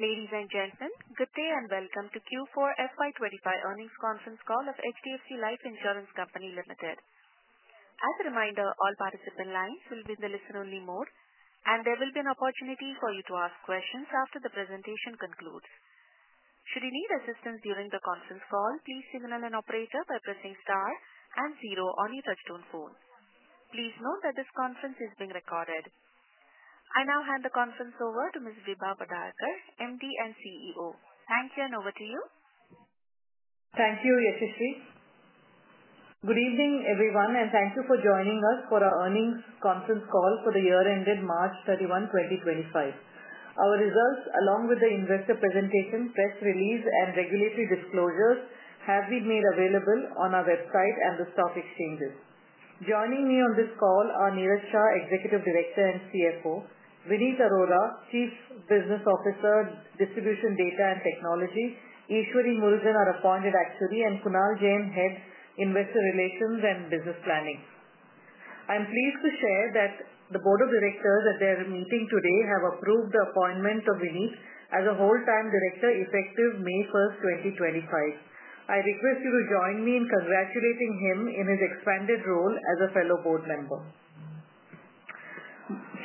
Ladies and gentlemen, good day and welcome to Q4 FY 2025 earnings conference call of HDFC Life Insurance Company Limited. As a reminder, all participant lines will be in the listen-only mode, and there will be an opportunity for you to ask questions after the presentation concludes. Should you need assistance during the conference call, please signal an operator by pressing star and zero on your touch-tone phone. Please note that this conference is being recorded. I now hand the conference over to Ms. Vibha Padalkar, MD and CEO. Thank you, and over to you. Thank you, Yashashri. Good evening, everyone, and thank you for joining us for our earnings conference call for the year ended March 31, 2025. Our results, along with the investor presentation, press release, and regulatory disclosures, have been made available on our website and the stock exchanges. Joining me on this call are Niraj Shah, Executive Director and CFO; Vineet Arora, Chief Business Officer, Distribution Data and Technology; Eshwari Murugan, our Appointed Actuary; and Kunal Jain, Head, Investor Relations and Business Planning. I'm pleased to share that the Board of Directors at their meeting today have approved the appointment of Vineet as a whole-time director effective May 1, 2025. I request you to join me in congratulating him in his expanded role as a fellow board member.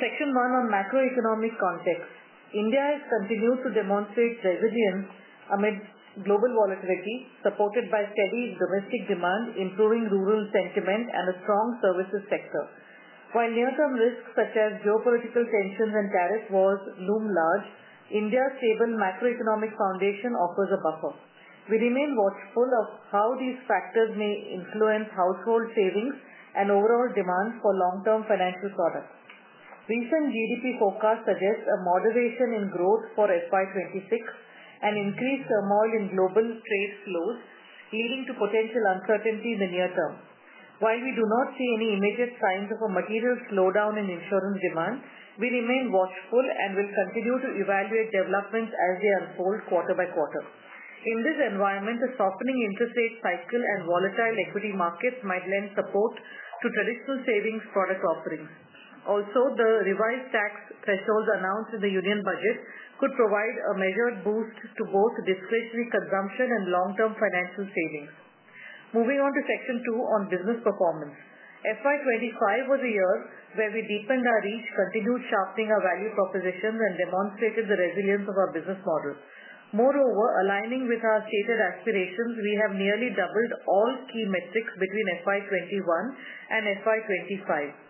Section one on macroeconomic context. India has continued to demonstrate resilience amid global volatility, supported by steady domestic demand, improving rural sentiment, and a strong services sector. While near-term risks such as geopolitical tensions and tariff wars loom large, India's stable macroeconomic foundation offers a buffer. We remain watchful of how these factors may influence household savings and overall demand for long-term financial products. Recent GDP forecasts suggest a moderation in growth for FY 2026 and increased turmoil in global trade flows, leading to potential uncertainty in the near term. While we do not see any immediate signs of a material slowdown in insurance demand, we remain watchful and will continue to evaluate developments as they unfold quarter by quarter. In this environment, a softening interest rate cycle and volatile equity markets might lend support to traditional savings product offerings. Also, the revised tax thresholds announced in the union budget could provide a measured boost to both discretionary consumption and long-term financial savings. Moving on to section two on business performance. FY 2025 was a year where we deepened our reach, continued sharpening our value propositions, and demonstrated the resilience of our business model. Moreover, aligning with our stated aspirations, we have nearly doubled all key metrics between FY 2021 and FY 2025.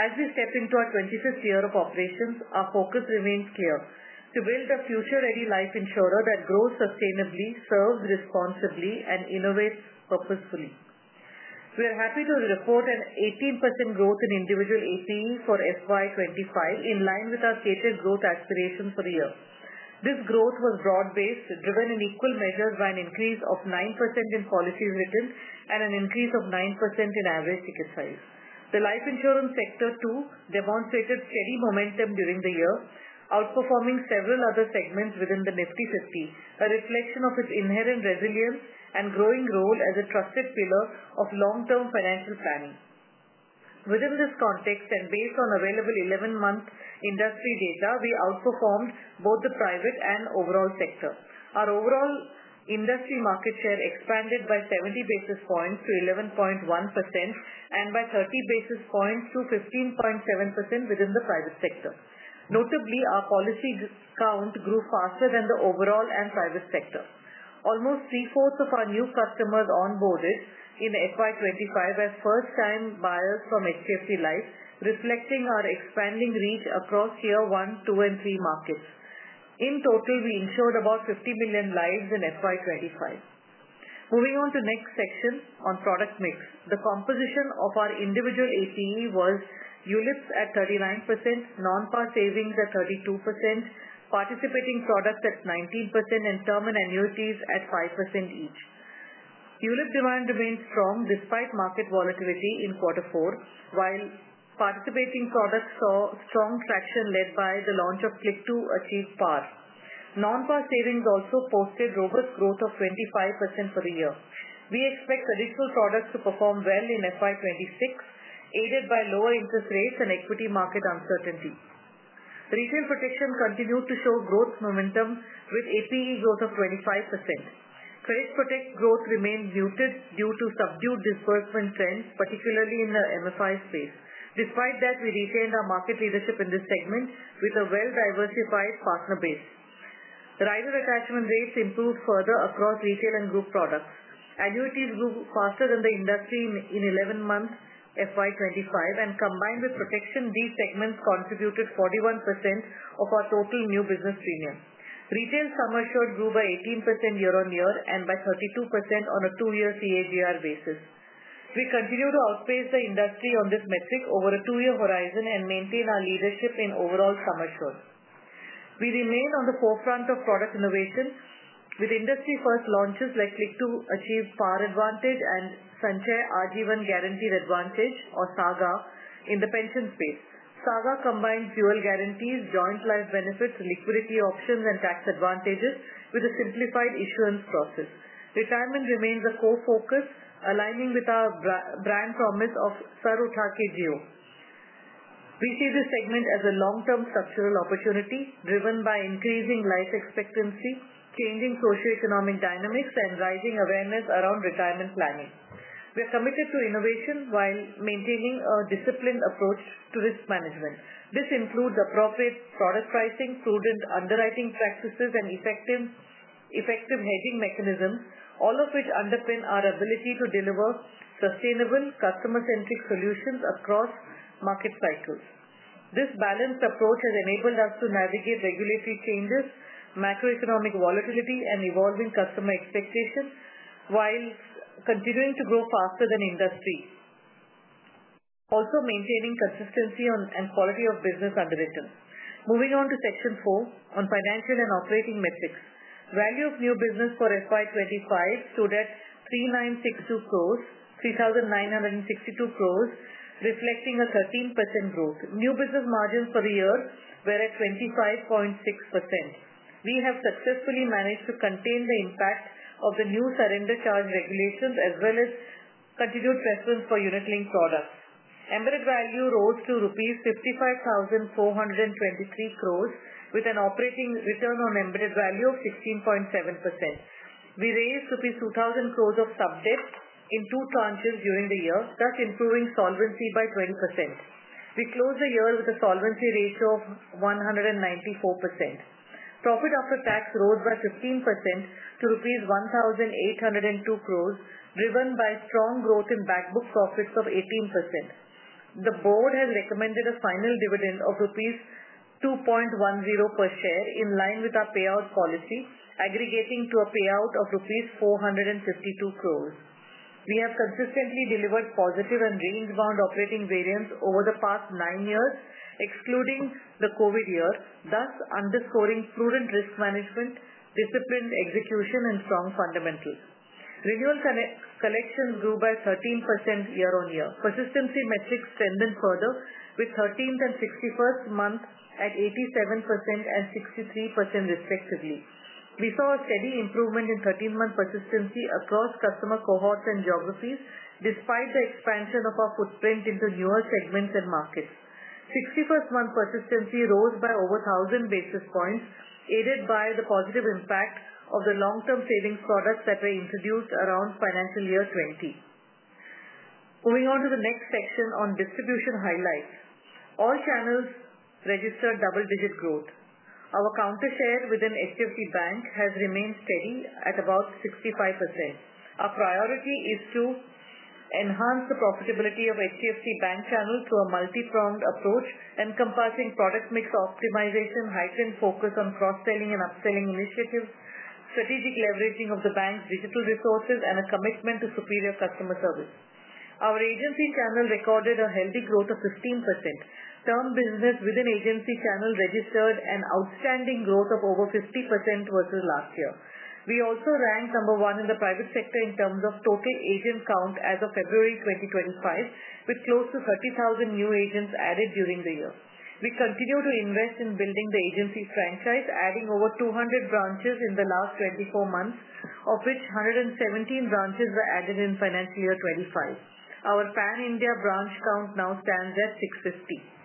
As we step into our 25th year of operations, our focus remains clear: to build a future-ready life insurer that grows sustainably, serves responsibly, and innovates purposefully. We are happy to report an 18% growth in individual APE for FY 2025, in line with our stated growth aspirations for the year. This growth was broad-based, driven in equal measures by an increase of 9% in policies written and an increase of 9% in average ticket size. The life insurance sector, too, demonstrated steady momentum during the year, outperforming several other segments within the Nifty 50, a reflection of its inherent resilience and growing role as a trusted pillar of long-term financial planning. Within this context, and based on available 11-month industry data, we outperformed both the private and overall sector. Our overall industry market share expanded by 70 basis points to 11.1% and by 30 basis points to 15.7% within the private sector. Notably, our policy count grew faster than the overall and private sector. Almost three-fourths of our new customers onboarded in FY 2025 as first-time buyers from HDFC Life, reflecting our expanding reach across year one, two, and three markets. In total, we insured about 50 million lives in FY 2025. Moving on to the next section on product mix. The composition of our individual APE was ULIPs at 39%, non-par savings at 32%, participating products at 19%, and term and annuities at 5% each. ULIP demand remained strong despite market volatility in quarter four, while participating products saw strong traction led by the launch of Click2 Achieve PAR. Non-par savings also posted robust growth of 25% for the year. We expect additional products to perform well in FY 2026, aided by lower interest rates and equity market uncertainty. Retail protection continued to show growth momentum, with APE growth of 25%. Credit protect growth remained muted due to subdued disbursement trends, particularly in the MFI space. Despite that, we retained our market leadership in this segment with a well-diversified partner base. Rider attachment rates improved further across retail and group products. Annuities grew faster than the industry in 11-month FY 2025, and combined with protection, these segments contributed 41% of our total new business premium. Retail sum assured grew by 18% year-on-year and by 32% on a two-year CAGR basis. We continue to outpace the industry on this metric over a two-year horizon and maintain our leadership in overall sum assured. We remain on the forefront of product innovation, with industry-first launches like Click2 Achieve PAR Advantage and Sanchay RG1 Guaranteed Advantage, or SAGA, in the pension space. SAGA combines dual guarantees, joint life benefits, liquidity options, and tax advantages with a simplified insurance process. Retirement remains a core focus, aligning with our brand promise of Sar Utha Ke Jiyo. We see this segment as a long-term structural opportunity, driven by increasing life expectancy, changing socioeconomic dynamics, and rising awareness around retirement planning. We are committed to innovation while maintaining a disciplined approach to risk management. This includes appropriate product pricing, prudent underwriting practices, and effective hedging mechanisms, all of which underpin our ability to deliver sustainable, customer-centric solutions across market cycles. This balanced approach has enabled us to navigate regulatory changes, macroeconomic volatility, and evolving customer expectations, while continuing to grow faster than industry, also maintaining consistency and quality of business underwritten. Moving on to section four on financial and operating metrics. Value of new business for FY 2025 stood at 3,962 crore, reflecting a 13% growth. New business margins for the year were at 25.6%. We have successfully managed to contain the impact of the new surrender charge regulations as well as continued preference for unit-linked products. Embedded value rose to rupees 55,423 crore, with an operating return on embedded value of 16.7%. We raised rupees 2,000 crores of subdebt in two tranches during the year, thus improving solvency by 20%. We closed the year with a solvency ratio of 194%. Profit after tax rose by 15% to rupees 1,802 crores, driven by strong growth in backbook profits of 18%. The board has recommended a final dividend of rupees 2.10 per share, in line with our payout policy, aggregating to a payout of rupees 452 crores. We have consistently delivered positive and range-bound operating variance over the past nine years, excluding the COVID year, thus underscoring prudent risk management, disciplined execution, and strong fundamentals. Renewal collections grew by 13% year-on-year. Persistency metrics tended further, with 13th and 61st month at 87% and 63%, respectively. We saw a steady improvement in 13-month persistency across customer cohorts and geographies, despite the expansion of our footprint into newer segments and markets. 61st month persistency rose by over 1,000 basis points, aided by the positive impact of the long-term savings products that were introduced around financial year 2020. Moving on to the next section on distribution highlights. All channels registered double-digit growth. Our counter share within HDFC Bank has remained steady at about 65%. Our priority is to enhance the profitability of HDFC Bank channels through a multi-pronged approach, encompassing product mix optimization, heightened focus on cross-selling and upselling initiatives, strategic leveraging of the bank's digital resources, and a commitment to superior customer service. Our agency channel recorded a healthy growth of 15%. Term business within agency channel registered an outstanding growth of over 50% versus last year. We also ranked number one in the private sector in terms of total agent count as of February 2025, with close to 30,000 new agents added during the year. We continue to invest in building the agency franchise, adding over 200 branches in the last 24 months, of which 117 branches were added in financial year 2025. Our pan-India branch count now stands at 650.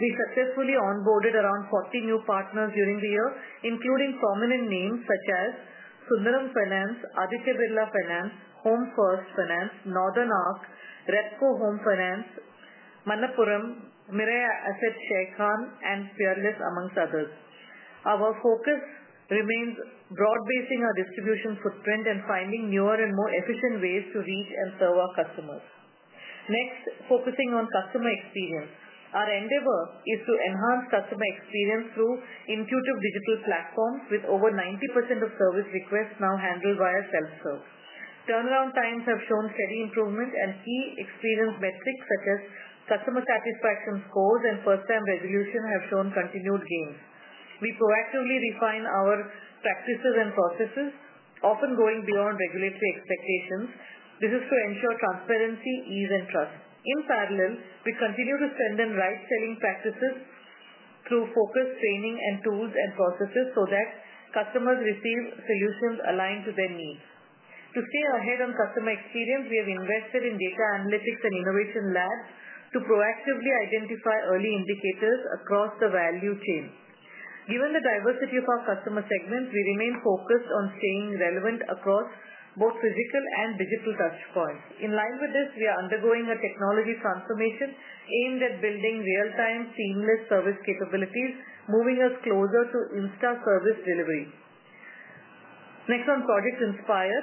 We successfully onboarded around 40 new partners during the year, including prominent names such as Sundaram Finance, Aditya Birla Finance, Home First Finance, Northern Arc, Repco Home Finance, Manappuram Finance, Mirae Asset, Sharekhan, and Peerless, amongst others. Our focus remains broad-basing our distribution footprint and finding newer and more efficient ways to reach and serve our customers. Next, focusing on customer experience. Our endeavor is to enhance customer experience through intuitive digital platforms, with over 90% of service requests now handled via self-serve. Turnaround times have shown steady improvement, and key experience metrics such as customer satisfaction scores and first-time resolution have shown continued gains. We proactively refine our practices and processes, often going beyond regulatory expectations. This is to ensure transparency, ease, and trust. In parallel, we continue to strengthen right-selling practices through focused training and tools and processes so that customers receive solutions aligned to their needs. To stay ahead on customer experience, we have invested in data analytics and innovation labs to proactively identify early indicators across the value chain. Given the diversity of our customer segments, we remain focused on staying relevant across both physical and digital touchpoints. In line with this, we are undergoing a technology transformation aimed at building real-time, seamless service capabilities, moving us closer to in-store service delivery. Next on Project Inspire,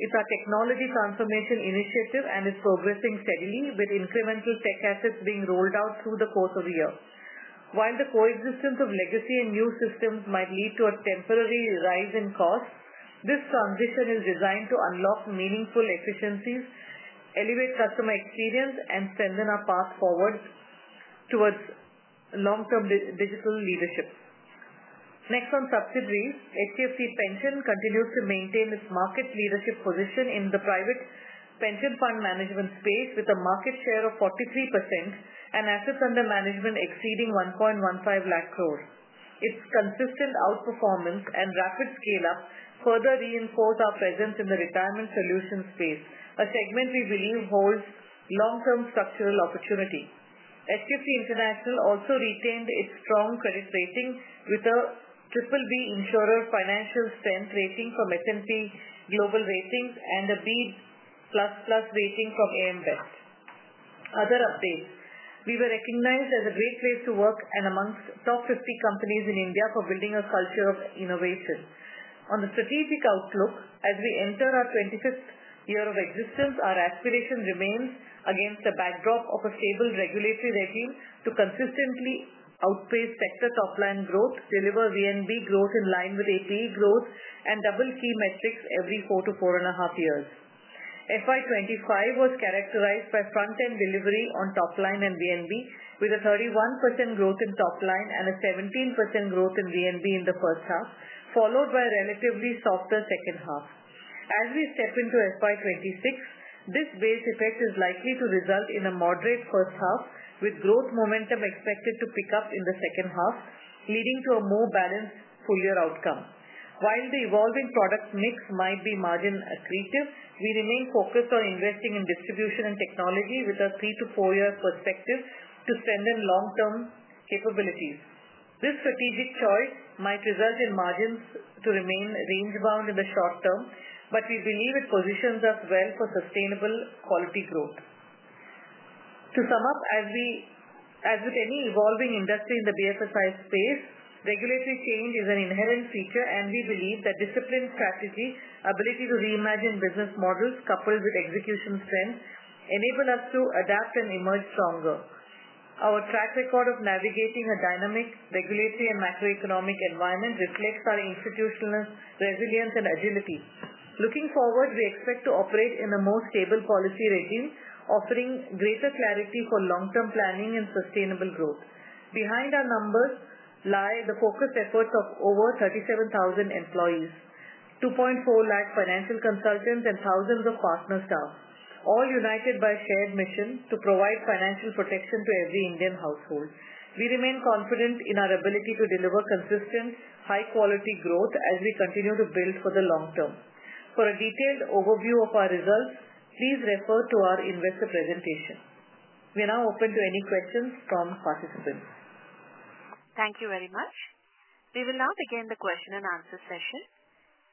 it is our technology transformation initiative and is progressing steadily, with incremental tech assets being rolled out through the course of the year. While the coexistence of legacy and new systems might lead to a temporary rise in costs, this transition is designed to unlock meaningful efficiencies, elevate customer experience, and strengthen our path forward towards long-term digital leadership. Next on subsidiaries, HDFC Pension continues to maintain its market leadership position in the private pension fund management space, with a market share of 43% and assets under management exceeding 1.15 lakh crores. Its consistent outperformance and rapid scale-up further reinforce our presence in the retirement solution space, a segment we believe holds long-term structural opportunity. HDFC International also retained its strong credit rating with a BBB insurer financial strength rating from S&P Global Ratings and a B++ rating from AM Best. Other updates, we were recognized as a great place to work and amongst top 50 companies in India for building a culture of innovation. On the strategic outlook, as we enter our 25th year of existence, our aspiration remains, against a backdrop of a stable regulatory regime, to consistently outpace sector top-line growth, deliver VNB growth in line with APE growth, and double key metrics every four to four and a half years. FY 2025 was characterized by front-end delivery on top-line and VNB, with a 31% growth in top-line and a 17% growth in VNB in the first half, followed by a relatively softer second half. As we step into FY 2026, this base effect is likely to result in a moderate first half, with growth momentum expected to pick up in the second half, leading to a more balanced full-year outcome. While the evolving product mix might be margin accretive, we remain focused on investing in distribution and technology with a three to four-year perspective to strengthen long-term capabilities. This strategic choice might result in margins to remain range-bound in the short term, but we believe it positions us well for sustainable quality growth. To sum up, as with any evolving industry in the BFSI space, regulatory change is an inherent feature, and we believe that disciplined strategy, ability to reimagine business models, coupled with execution strength, enable us to adapt and emerge stronger. Our track record of navigating a dynamic regulatory and macroeconomic environment reflects our institutional resilience and agility. Looking forward, we expect to operate in a more stable policy regime, offering greater clarity for long-term planning and sustainable growth. Behind our numbers lie the focused efforts of over 37,000 employees, 2.4 lakh financial consultants, and thousands of partner staff, all united by a shared mission to provide financial protection to every Indian household. We remain confident in our ability to deliver consistent, high-quality growth as we continue to build for the long term. For a detailed overview of our results, please refer to our investor presentation. We are now open to any questions from participants. Thank you very much. We will now begin the question and answer session.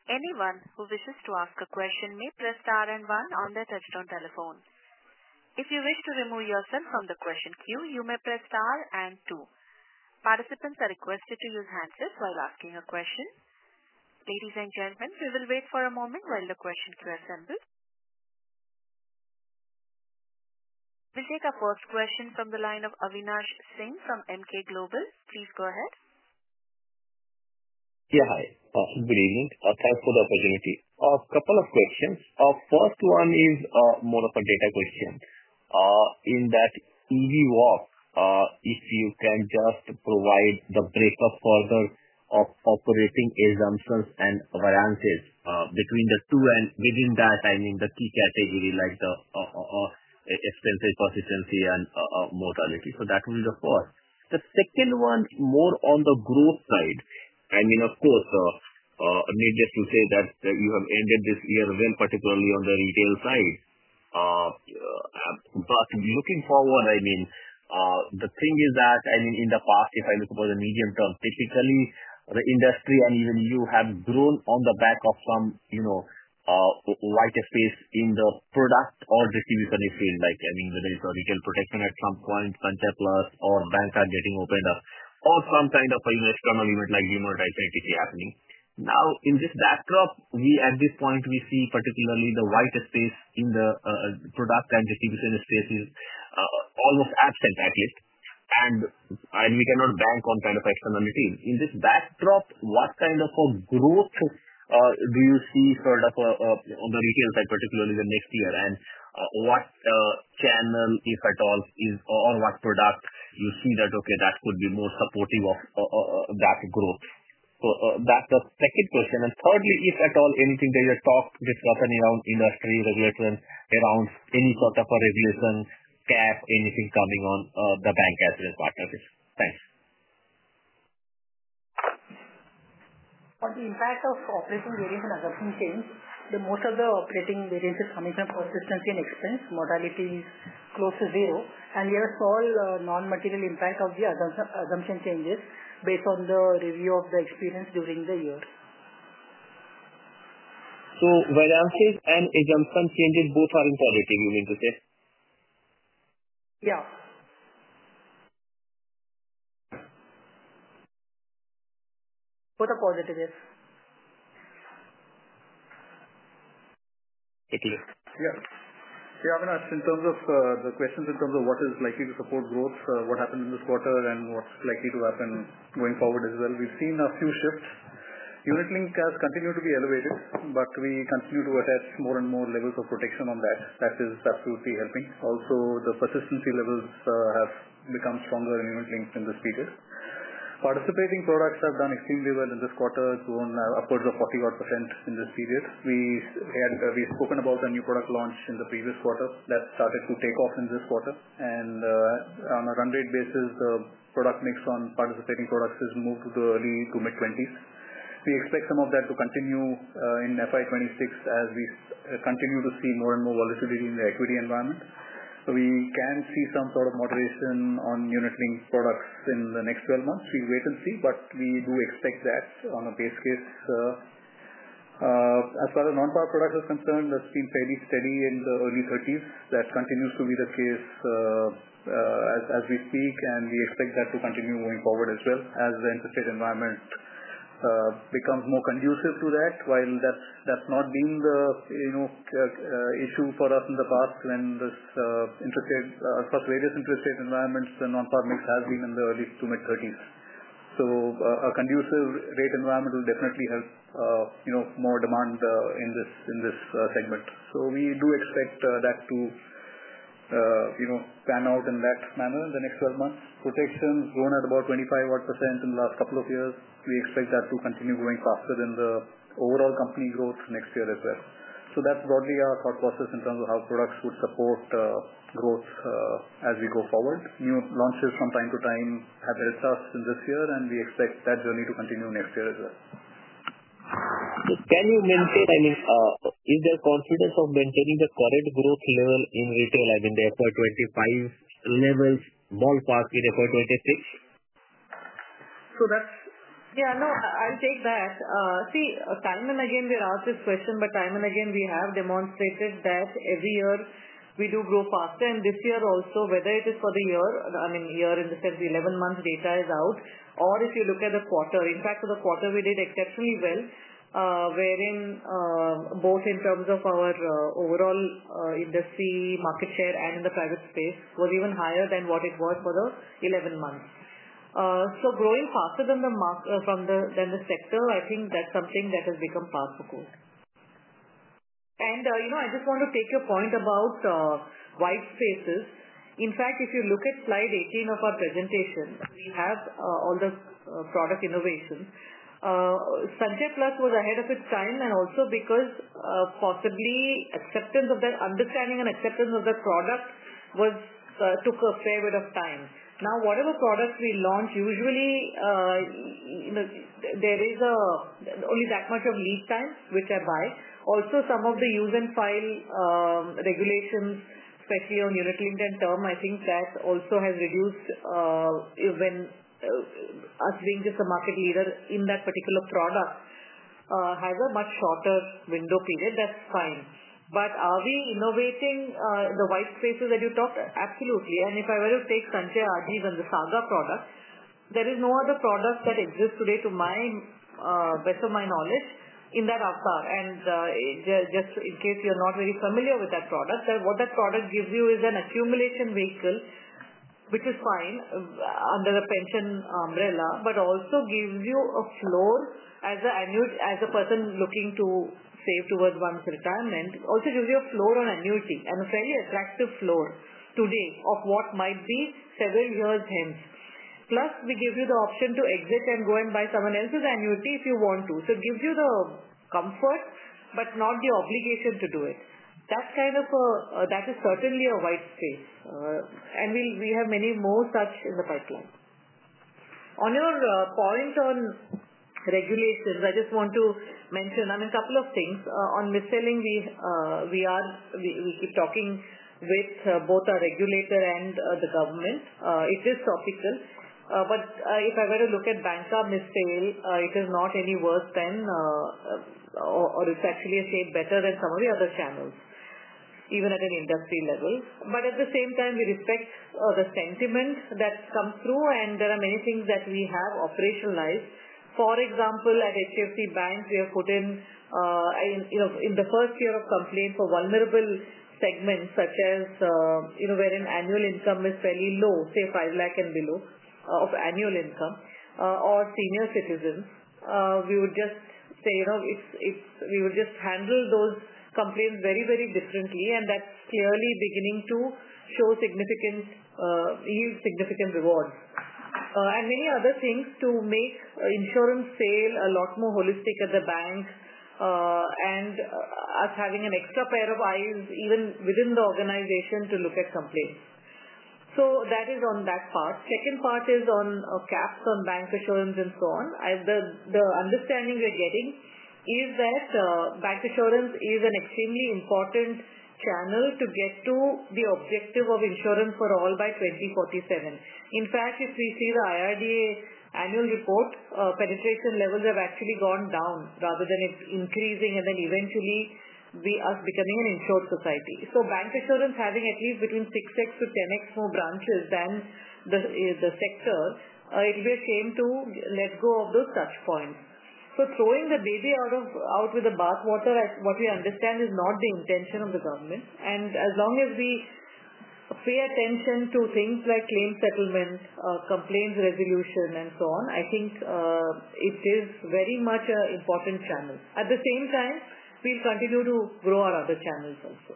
Anyone who wishes to ask a question may press star and one on their touchstone telephone. If you wish to remove yourself from the question queue, you may press star and two. Participants are requested to use handsets while asking a question. Ladies and gentlemen, we will wait for a moment while the question queue assembles. We'll take our first question from the line of Avinash Singh from Emkay Global. Please go ahead. Yeah, hi. Good evening. Thanks for the opportunity. A couple of questions. First one is more of a data question. In that EV walk, if you can just provide the breakup further of operating experience and variances between the two, and within that, I mean the key category like the expenses, persistency, and mortality. That will be the first. The second one more on the growth side. I mean, of course, needless to say that you have ended this year well, particularly on the retail side. Looking forward, I mean, the thing is that, I mean, in the past, if I look for the medium term, typically the industry and even you have grown on the back of some white space in the product or distribution field, like, I mean, whether it's retail protection at some point, Sanchay Plus, or banks are getting opened up, or some kind of an external event like Demonetization happening. Now, in this backdrop, at this point, we see particularly the white space in the product and distribution space is almost absent at least. We cannot bank on kind of externality. In this backdrop, what kind of a growth do you see sort of on the retail side, particularly the next year? What channel, if at all, or what product you see that, okay, that could be more supportive of that growth? That's the second question. Thirdly, if at all, anything that you talked with company around industry regulation, around any sort of a regulation, cap, anything coming on the bank as well partnerships. Thanks. For the impact of operating variance and assumption change, most of the operating variance is coming from persistency and expense, modalities close to zero. We have a small non-material impact of the assumption changes based on the review of the experience during the year. So variances and exemption changes, both are in positive, you mean to say? Yeah. Both are positive, yes. Yeah. Yeah. Avinash, in terms of the questions in terms of what is likely to support growth, what happened in this quarter, and what's likely to happen going forward as well, we've seen a few shifts. Unit Link has continued to be elevated, but we continue to attach more and more levels of protection on that. That is absolutely helping. Also, the persistency levels have become stronger in Unit Link in this period. Participating products have done extremely well in this quarter, grown upwards of 40%-odd in this period. We spoke about a new product launch in the previous quarter that started to take off in this quarter. On a run rate basis, the product mix on participating products has moved to the early to mid-20s. We expect some of that to continue in FY 2026 as we continue to see more and more volatility in the equity environment. We can see some sort of moderation on unit-linked products in the next 12 months. We'll wait and see, but we do expect that on a base case. As far as non-par products are concerned, that's been fairly steady in the early 30s. That continues to be the case as we speak, and we expect that to continue going forward as well as the interest rate environment becomes more conducive to that. While that's not been the issue for us in the past when this interest rate, across various interest rate environments, the non-par mix has been in the early to mid-30s. A conducive rate environment will definitely help more demand in this segment. We do expect that to pan out in that manner in the next 12 months. Protection has grown at about 25% in the last couple of years. We expect that to continue going faster than the overall company growth next year as well. That's broadly our thought process in terms of how products would support growth as we go forward. New launches from time to time have helped us in this year, and we expect that journey to continue next year as well. Can you maintain, I mean, is there confidence of maintaining the current growth level in retail, I mean, the FY 2025 levels ballpark with FY 2026? Yeah, no, I'll take that. See, time and again we're asked this question, but time and again we have demonstrated that every year we do grow faster. This year also, whether it is for the year, I mean, year in the sense 11 months data is out, or if you look at the quarter. In fact, for the quarter, we did exceptionally well, wherein both in terms of our overall industry market share and in the private space was even higher than what it was for the 11 months. Growing faster than the sector, I think that's something that has become fast for growth. I just want to take your point about white spaces. In fact, if you look at slide 18 of our presentation, we have all the product innovations. Sanchay Plus was ahead of its time and also because possibly acceptance of that understanding and acceptance of that product took a fair bit of time. Now, whatever products we launch, usually there is only that much of lead time, which I buy. Also, some of the use and file regulations, especially on Unit Link and Term, I think that also has reduced when us being just a market leader in that particular product has a much shorter window period. That is fine. Are we innovating the white spaces that you talked? Absolutely. If I were to take Sanchay Adviz and the SAGA product, there is no other product that exists today to my best of my knowledge in that avatar. Just in case you're not very familiar with that product, what that product gives you is an accumulation vehicle, which is fine under the pension umbrella, but also gives you a floor as a person looking to save towards one's retirement. Also gives you a floor on annuity and a fairly attractive floor today of what might be several years hence. Plus, we give you the option to exit and go and buy someone else's annuity if you want to. It gives you the comfort, but not the obligation to do it. That is certainly a white space. We have many more such in the pipeline. On your point on regulations, I just want to mention, I mean, a couple of things. On mis-selling, we keep talking with both our regulator and the government. It is topical. If I were to look at banks' mis-sale, it is not any worse than or it's actually a shade better than some of the other channels, even at an industry level. At the same time, we respect the sentiment that comes through, and there are many things that we have operationalized. For example, at HDFC Bank, we have put in, in the first year of complaint for vulnerable segments such as wherein annual income is fairly low, say 500,000 and below of annual income, or senior citizens. We would just say we would just handle those complaints very, very differently, and that's clearly beginning to show significant yield, significant rewards. Many other things to make insurance sale a lot more holistic at the bank and us having an extra pair of eyes even within the organization to look at complaints. That is on that part. Second part is on caps on bancassurance and so on. The understanding we're getting is that bancassurance is an extremely important channel to get to the objective of insurance for all by 2047. In fact, if we see the IRDAI annual report, penetration levels have actually gone down rather than increasing, and then eventually us becoming an insured society. Bancassurance having at least between 6x-10x more branches than the sector, it would be a shame to let go of those touch points. Throwing the baby out with the bathwater, what we understand is not the intention of the government. As long as we pay attention to things like claim settlement, complaints resolution, and so on, I think it is very much an important channel. At the same time, we'll continue to grow our other channels also.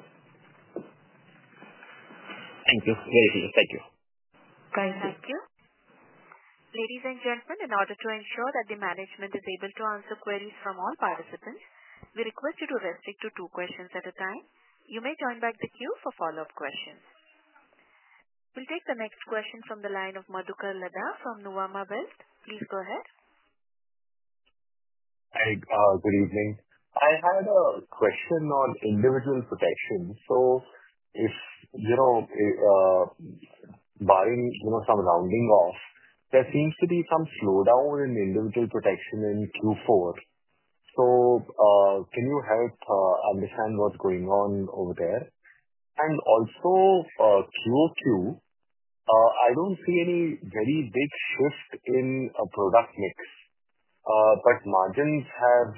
Thank you. Very serious. Thank you. Thank you. Thank you. Ladies and gentlemen, in order to ensure that the management is able to answer queries from all participants, we request you to restrict to two questions at a time. You may join back the queue for follow-up questions. We'll take the next question from the line of Madhukar Ladha from Nuvama Wealth. Please go ahead. Hi. Good evening. I had a question on individual protection. If barring some rounding off, there seems to be some slowdown in individual protection in Q4. Can you help understand what's going on over there? Also, QoQ, I do not see any very big shift in product mix, but margins have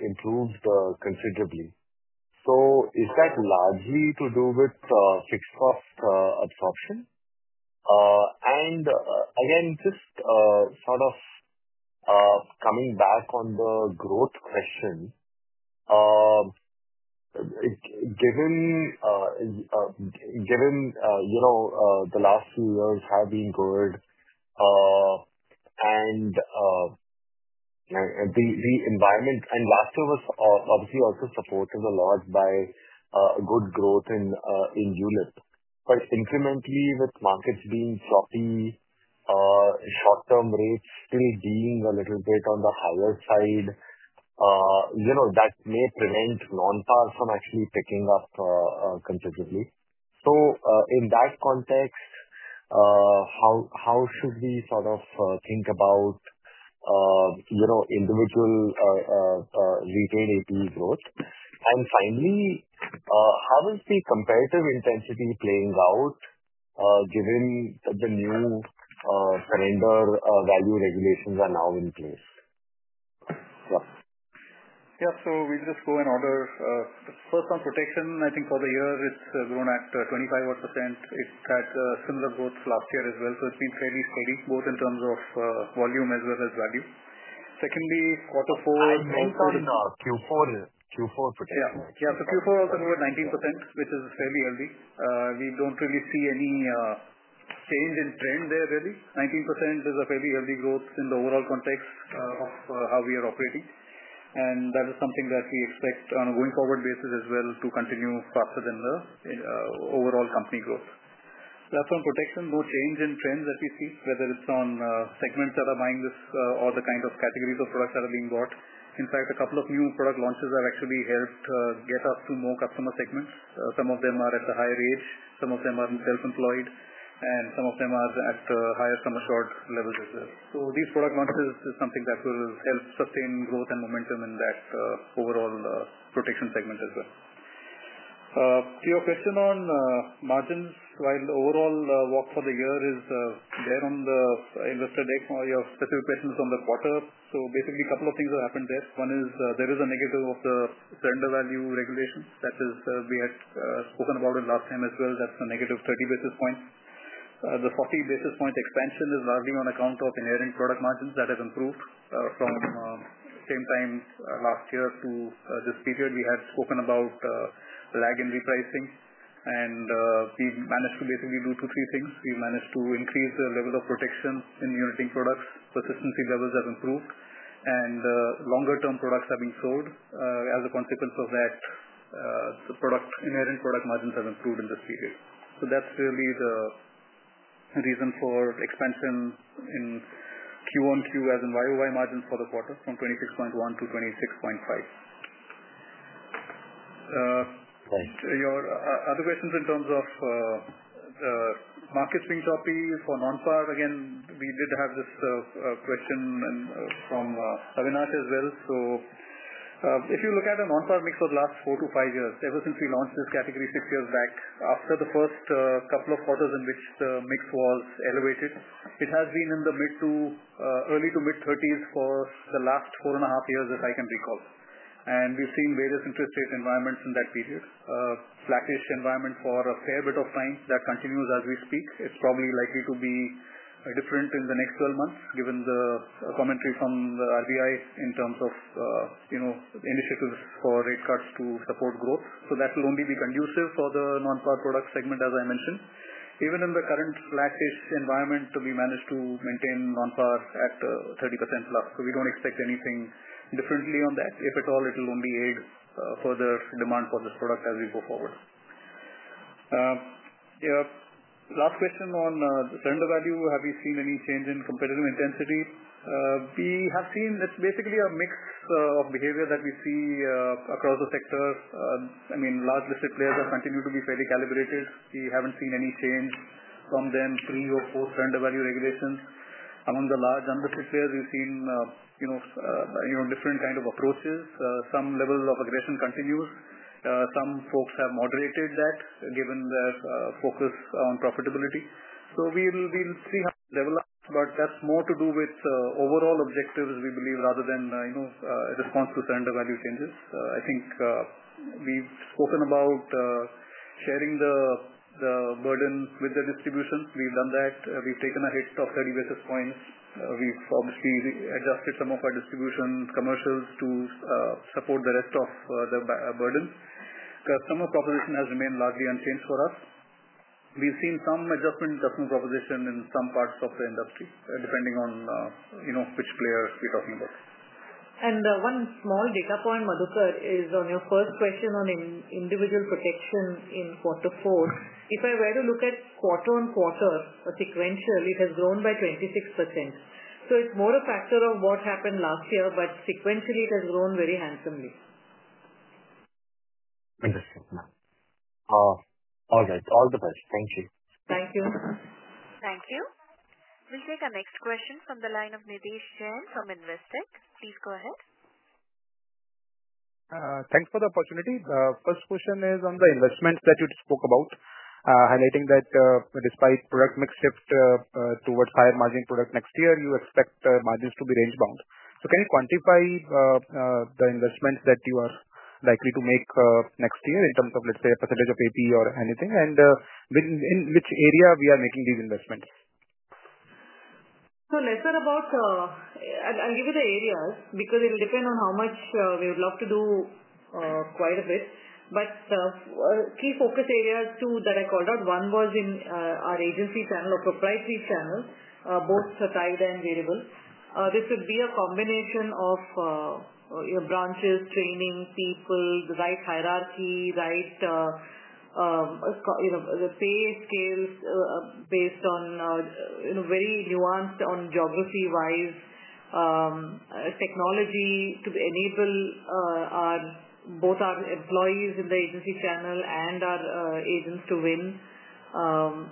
improved considerably. Is that largely to do with fixed cost absorption? Again, just sort of coming back on the growth question, given the last few years have been good and the environment, and last year was obviously also supported a lot by good growth in unit. But incrementally, with markets being floppy, short-term rates still being a little bit on the higher side, that may prevent non-par from actually picking up considerably. In that context, how should we sort of think about individual retail APE growth? Finally, how is the competitive intensity playing out given the new surrender value regulations are now in place? Yeah. Yeah. We'll just go in order. First, on protection, I think for the year, it's grown at 25% odd. It had similar growth last year as well. It's been fairly steady, both in terms of volume as well as value. Secondly, quarter four. I'm sorry, Q4. Q4. Q4 protection. Yeah. Yeah. Q4 also grew at 19%, which is fairly healthy. We do not really see any change in trend there, really. 19% is a fairly healthy growth in the overall context of how we are operating. That is something that we expect on a going forward basis as well to continue faster than the overall company growth. Retail protection, no change in trends that we see, whether it is on segments that are buying this or the kind of categories of products that are being bought. In fact, a couple of new product launches have actually helped get us to more customer segments. Some of them are at the higher age. Some of them are self-employed. Some of them are at the higher sum assured levels as well. These product launches are something that will help sustain growth and momentum in that overall protection segment as well. To your question on margins, while overall walk for the year is there on the investor deck, or your specific question is on the quarter. Basically, a couple of things have happened there. One is there is a negative of the surrender value regulation, such as we had spoken about it last time as well. That is a negative 30 basis points. The 40 basis point expansion is largely on account of inherent product margins that have improved from same time last year to this period. We had spoken about lag in repricing, and we managed to basically do two, three things. We managed to increase the level of protection in unit-linked products. Persistency levels have improved, and longer-term products have been sold. As a consequence of that, the inherent product margins have improved in this period. That's really the reason for expansion in Q1Q as in YOY margins for the quarter from 26.1% -26.5%. Thanks. Your other questions in terms of market swing choppy for non-par. Again, we did have this question from Avinash as well. If you look at a non-par mix of the last four to five years, ever since we launched this category six years back, after the first couple of quarters in which the mix was elevated, it has been in the early to mid-30% for the last four and a half years as I can recall. We have seen various interest rate environments in that period. Flat-ish environment for a fair bit of time that continues as we speak. It is probably likely to be different in the next 12 months given the commentary from the RBI in terms of initiatives for rate cuts to support growth. That will only be conducive for the non-par product segment, as I mentioned. Even in the current flat-ish environment, we managed to maintain non-par at 30%+. We do not expect anything differently on that. If at all, it will only aid further demand for this product as we go forward. Last question on surrender value. Have we seen any change in competitive intensity? We have seen it is basically a mix of behavior that we see across the sector. I mean, large listed players have continued to be fairly calibrated. We have not seen any change from them three or four surrender value regulations. Among the large unlisted players, we have seen different kind of approaches. Some level of aggression continues. Some folks have moderated that given their focus on profitability. We will be in three level up, but that is more to do with overall objectives, we believe, rather than response to surrender value changes. I think we have spoken about sharing the burden with the distribution. We have done that. We have taken a hit of 30 basis points. We have obviously adjusted some of our distribution commercials to support the rest of the burden. Customer proposition has remained largely unchanged for us. We have seen some adjustment in customer proposition in some parts of the industry, depending on which players we are talking about. One small data point, Madhukar, is on your first question on individual protection in quarter four. If I were to look at quarter on quarter, sequentially, it has grown by 26%. It is more a factor of what happened last year, but sequentially, it has grown very handsomely. Understood. All right. All the best. Thank you. Thank you. Thank you. We'll take our next question from the line of Nidhesh Jain from Investec. Please go ahead. Thanks for the opportunity. The first question is on the investments that you spoke about, highlighting that despite product mix shift towards higher margin product next year, you expect margins to be range-bound. Can you quantify the investments that you are likely to make next year in terms of, let's say, a percentage of APE or anything, and in which area we are making these investments? Lesser about I'll give you the areas because it'll depend on how much we would love to do quite a bit. Key focus areas too that I called out, one was in our agency channel or proprietary channel, both tied and variable. This would be a combination of branches, training people, the right hierarchy, right pay scales based on very nuanced on geography-wise technology to enable both our employees in the agency channel and our agents to win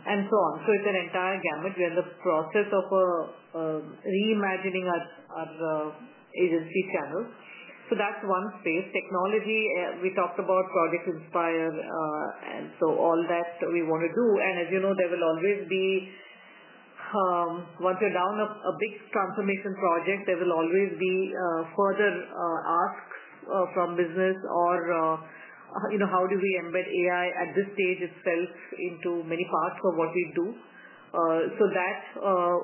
and so on. It is an entire gamut. We are in the process of reimagining our agency channel. That is one space. Technology, we talked about Project Inspire, and all that we want to do. As you know, there will always be once you are down a big transformation project, there will always be further asks from business or how do we embed AI at this stage itself into many parts of what we do. That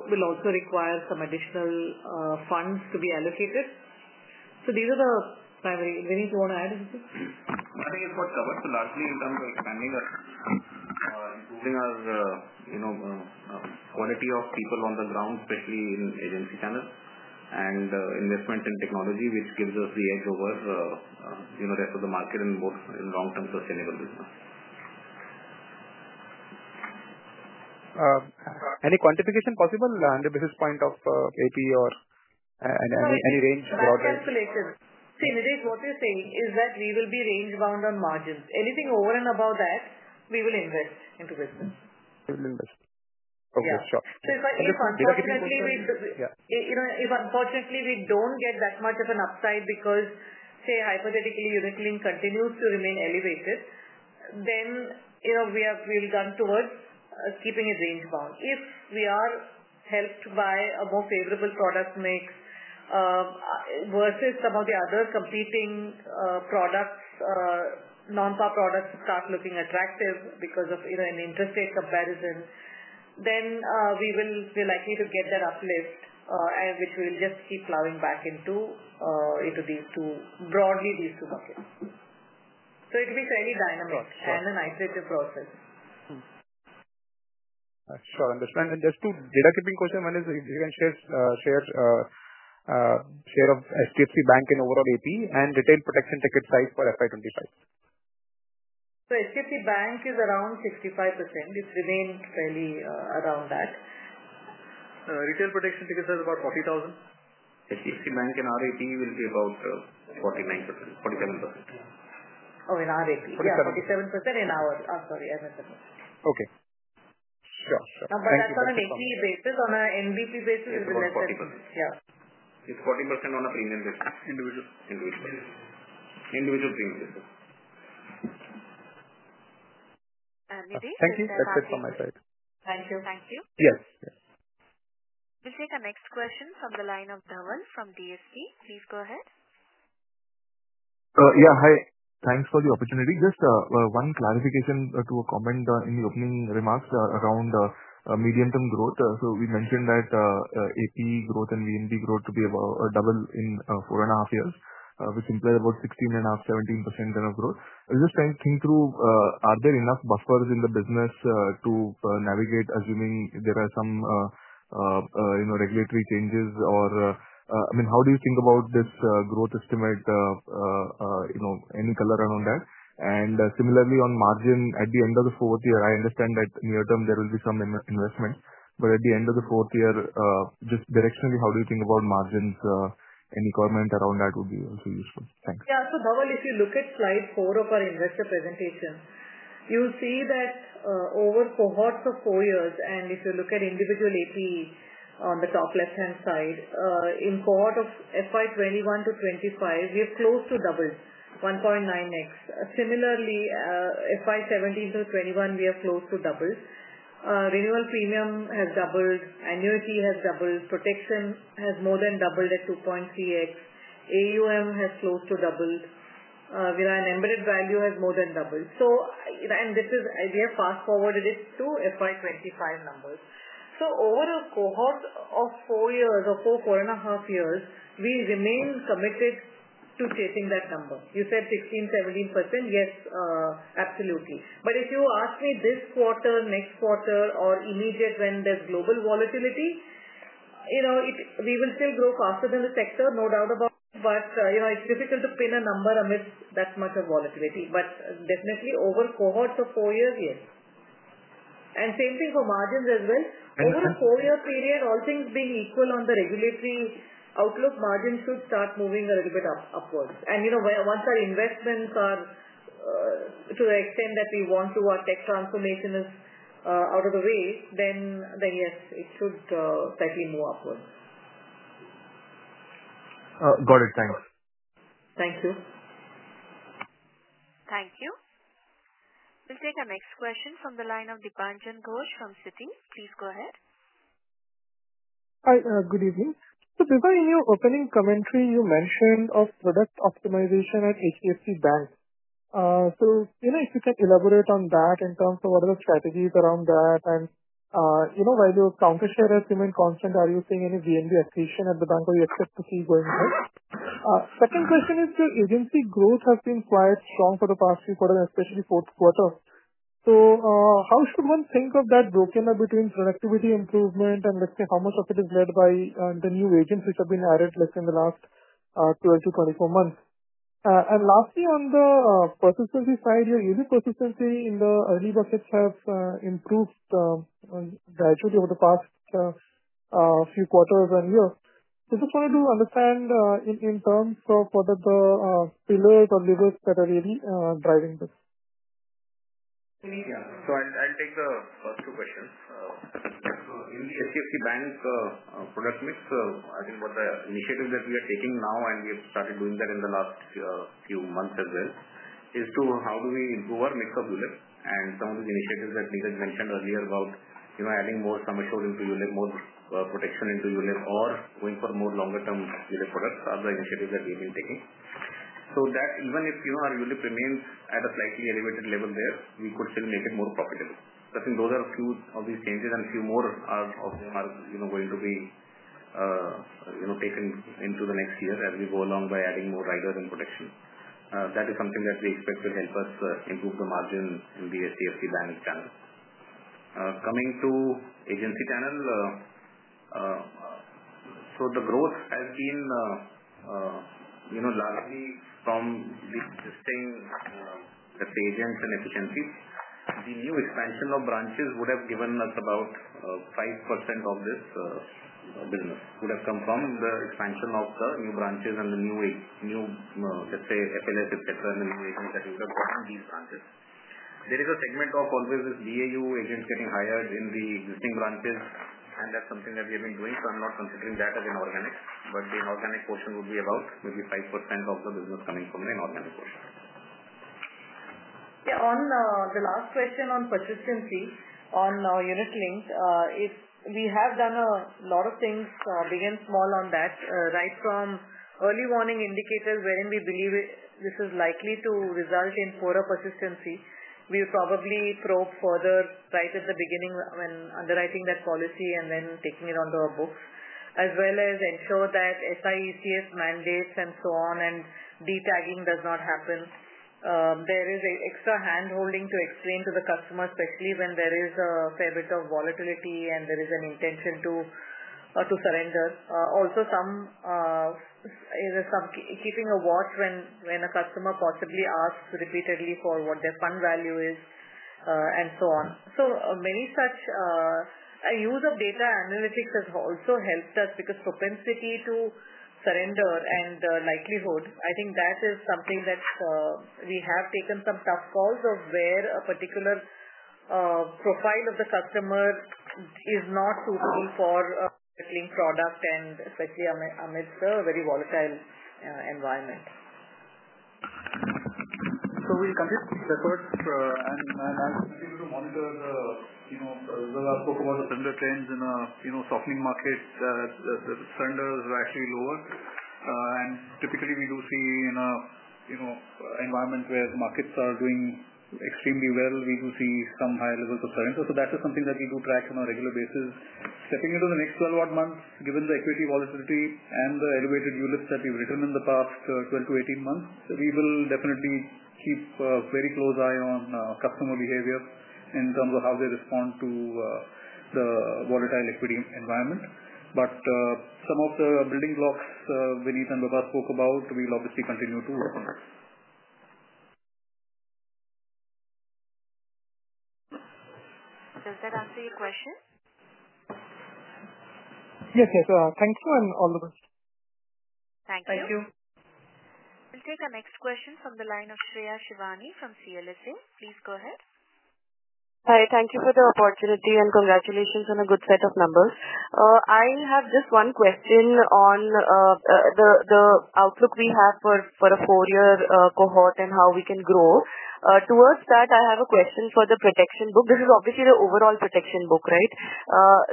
will also require some additional funds to be allocated. These are the primary anything you want to add? I think it is what covered. Largely in terms of expanding or improving our quality of people on the ground, especially in agency channel, and investment in technology, which gives us the edge over the rest of the market and both in long-term sustainable business. Any quantification possible on the basis point of APE or any range broadly? No, that's related. See, Nidhish, what you're saying is that we will be range-bound on margins. Anything over and above that, we will invest into business. We will invest. Okay. Sure. If unfortunately we don't get that much of an upside because, say, hypothetically, unit link continues to remain elevated, then we'll run towards keeping it range-bound. If we are helped by a more favorable product mix versus some of the other competing non-par products start looking attractive because of an interest rate comparison, then we're likely to get that uplift, which we'll just keep plowing back into broadly these two buckets. It will be fairly dynamic and an iterative process. Sure. Understood. Just two data keeping questions. One is if you can share share of HDFC Bank and overall APE and retail protection ticket size for FY 2025. HDFC Bank is around 65%. It's remained fairly around that. Retail protection ticket size is about 40,000. HDFC Bank in R-APE will be about 49%, 47%. Oh, in R-APE. Yeah, 47% in our, sorry, MSME. Okay. Sure. Sure. That's on an APE basis. On an NBP basis. It's lesser. It's 40%. Yeah. It's 40% on a premium basis. Individual. Individual. Individual premium basis. Thank you. That's it from my side. Thank you. Thank you. Yes. Yes. We'll take our next question from the line of Dhaval from DSP. Please go ahead. Yeah. Hi. Thanks for the opportunity. Just one clarification to a comment in the opening remarks around medium-term growth. We mentioned that APE growth and VNB growth to be about double in four and a half years, which implies about 16.5%-17% growth. We're just trying to think through, are there enough buffers in the business to navigate assuming there are some regulatory changes or, I mean, how do you think about this growth estimate? Any color around that? Similarly, on margin at the end of the fourth year, I understand that near-term there will be some investment. At the end of the fourth year, just directionally, how do you think about margins? Any comment around that would be also useful. Thanks. Yeah. So Dhaval, if you look at slide four of our investor presentation, you'll see that over cohorts of four years, and if you look at individual APE on the top left-hand side, in cohort of FY 2021-2025, we have close to doubled, 1.9x. Similarly, FY 2017-2021, we have close to doubled. Renewal premium has doubled. Annuity has doubled. Protection has more than doubled at 2.3x. AUM has close to doubled. Embedded value has more than doubled. We have fast-forwarded it to FY 2025 numbers. Over a cohort of four years or four and a half years, we remain committed to chasing that number. You said 16%-17%? Yes, absolutely. If you ask me this quarter, next quarter, or immediate when there is global volatility, we will still grow faster than the sector, no doubt about it. It is difficult to pin a number amidst that much volatility. Definitely, over cohorts of four years, yes. The same thing for margins as well. Over a four-year period, all things being equal on the regulatory outlook, margins should start moving a little bit upwards. Once our investments are to the extent that we want to, our tech transformation is out of the way, then yes, it should certainly move upwards. Got it. Thanks. Thank you. Thank you. We will take our next question from the line of Dipanjan Ghosh from Siddhi. Please go ahead. Hi. Good evening. Before, in your opening commentary, you mentioned product optimization at HDFC Bank. If you can elaborate on that in terms of what are the strategies around that? While your counter-share estimate is constant, are you seeing any VNB attrition at the bank or do you expect to see it going up? Second question is your agency growth has been quite strong for the past few quarters, especially fourth quarter. How should one think of that broken up between productivity improvement and, let's say, how much of it is led by the new agents which have been added, let's say, in the last 12-24 months? Lastly, on the persistency side, your unit persistency in the early buckets has improved gradually over the past few quarters and years. I just wanted to understand in terms of what are the pillars or levers that are really driving this. Yeah. I'll take the first two questions.In the HDFC Bank product mix, I think what the initiative that we are taking now, and we have started doing that in the last few months as well, is to how do we improve our mix of unit? And some of the initiatives that Nidhish mentioned earlier about adding more sum assured into unit, more protection into unit, or going for more longer-term unit products are the initiatives that we've been taking. That even if our unit remains at a slightly elevated level there, we could still make it more profitable. I think those are a few of these changes, and a few more are going to be taken into the next year as we go along by adding more riders and protection. That is something that we expect will help us improve the margin in the HDFC Bank channel. Coming to agency channel, the growth has been largely from the existing, let's say, agents and efficiencies. The new expansion of branches would have given us about 5% of this business would have come from the expansion of the new branches and the new, let's say, FLS, etc., and the new agents that we would have gotten these branches. There is a segment of always this BAU agents getting hired in the existing branches, and that's something that we have been doing. I'm not considering that as inorganic, but the inorganic portion would be about maybe 5% of the business coming from the inorganic portion. Yeah. On the last question on persistency on unit link, we have done a lot of things, big and small on that, right from early warning indicators wherein we believe this is likely to result in poorer persistency. We would probably probe further right at the beginning when underwriting that policy and then taking it onto our books, as well as ensure that SECF mandates and so on and detagging does not happen. There is extra handholding to explain to the customer, especially when there is a fair bit of volatility and there is an intention to surrender. Also, keeping a watch when a customer possibly asks repeatedly for what their fund value is and so on. Many such use of data analytics has also helped us because propensity to surrender and likelihood, I think that is something that we have taken some tough calls of where a particular profile of the customer is not suitable for settling product, and especially amidst a very volatile environment. We will continue to prefer and continue to monitor. I spoke about the surrender trends in a softening market. The surrenders are actually lower. Typically, we do see in an environment where markets are doing extremely well, we do see some higher levels of surrender. That is something that we do track on a regular basis. Stepping into the next 12-odd months, given the equity volatility and the elevated units that we've written in the past 12-18 months, we will definitely keep a very close eye on customer behavior in terms of how they respond to the volatile equity environment. Some of the building blocks Vineet and Bhavar spoke about, we'll obviously continue to work on. Does that answer your question? Yes. Yes. Thank you and all the best. Thank you. Thank you. We'll take our next question from the line of Shreya Shivani from CLSA. Please go ahead. Hi. Thank you for the opportunity and congratulations on a good set of numbers.I have just one question on the outlook we have for a four-year cohort and how we can grow. Towards that, I have a question for the protection book. This is obviously the overall protection book, right?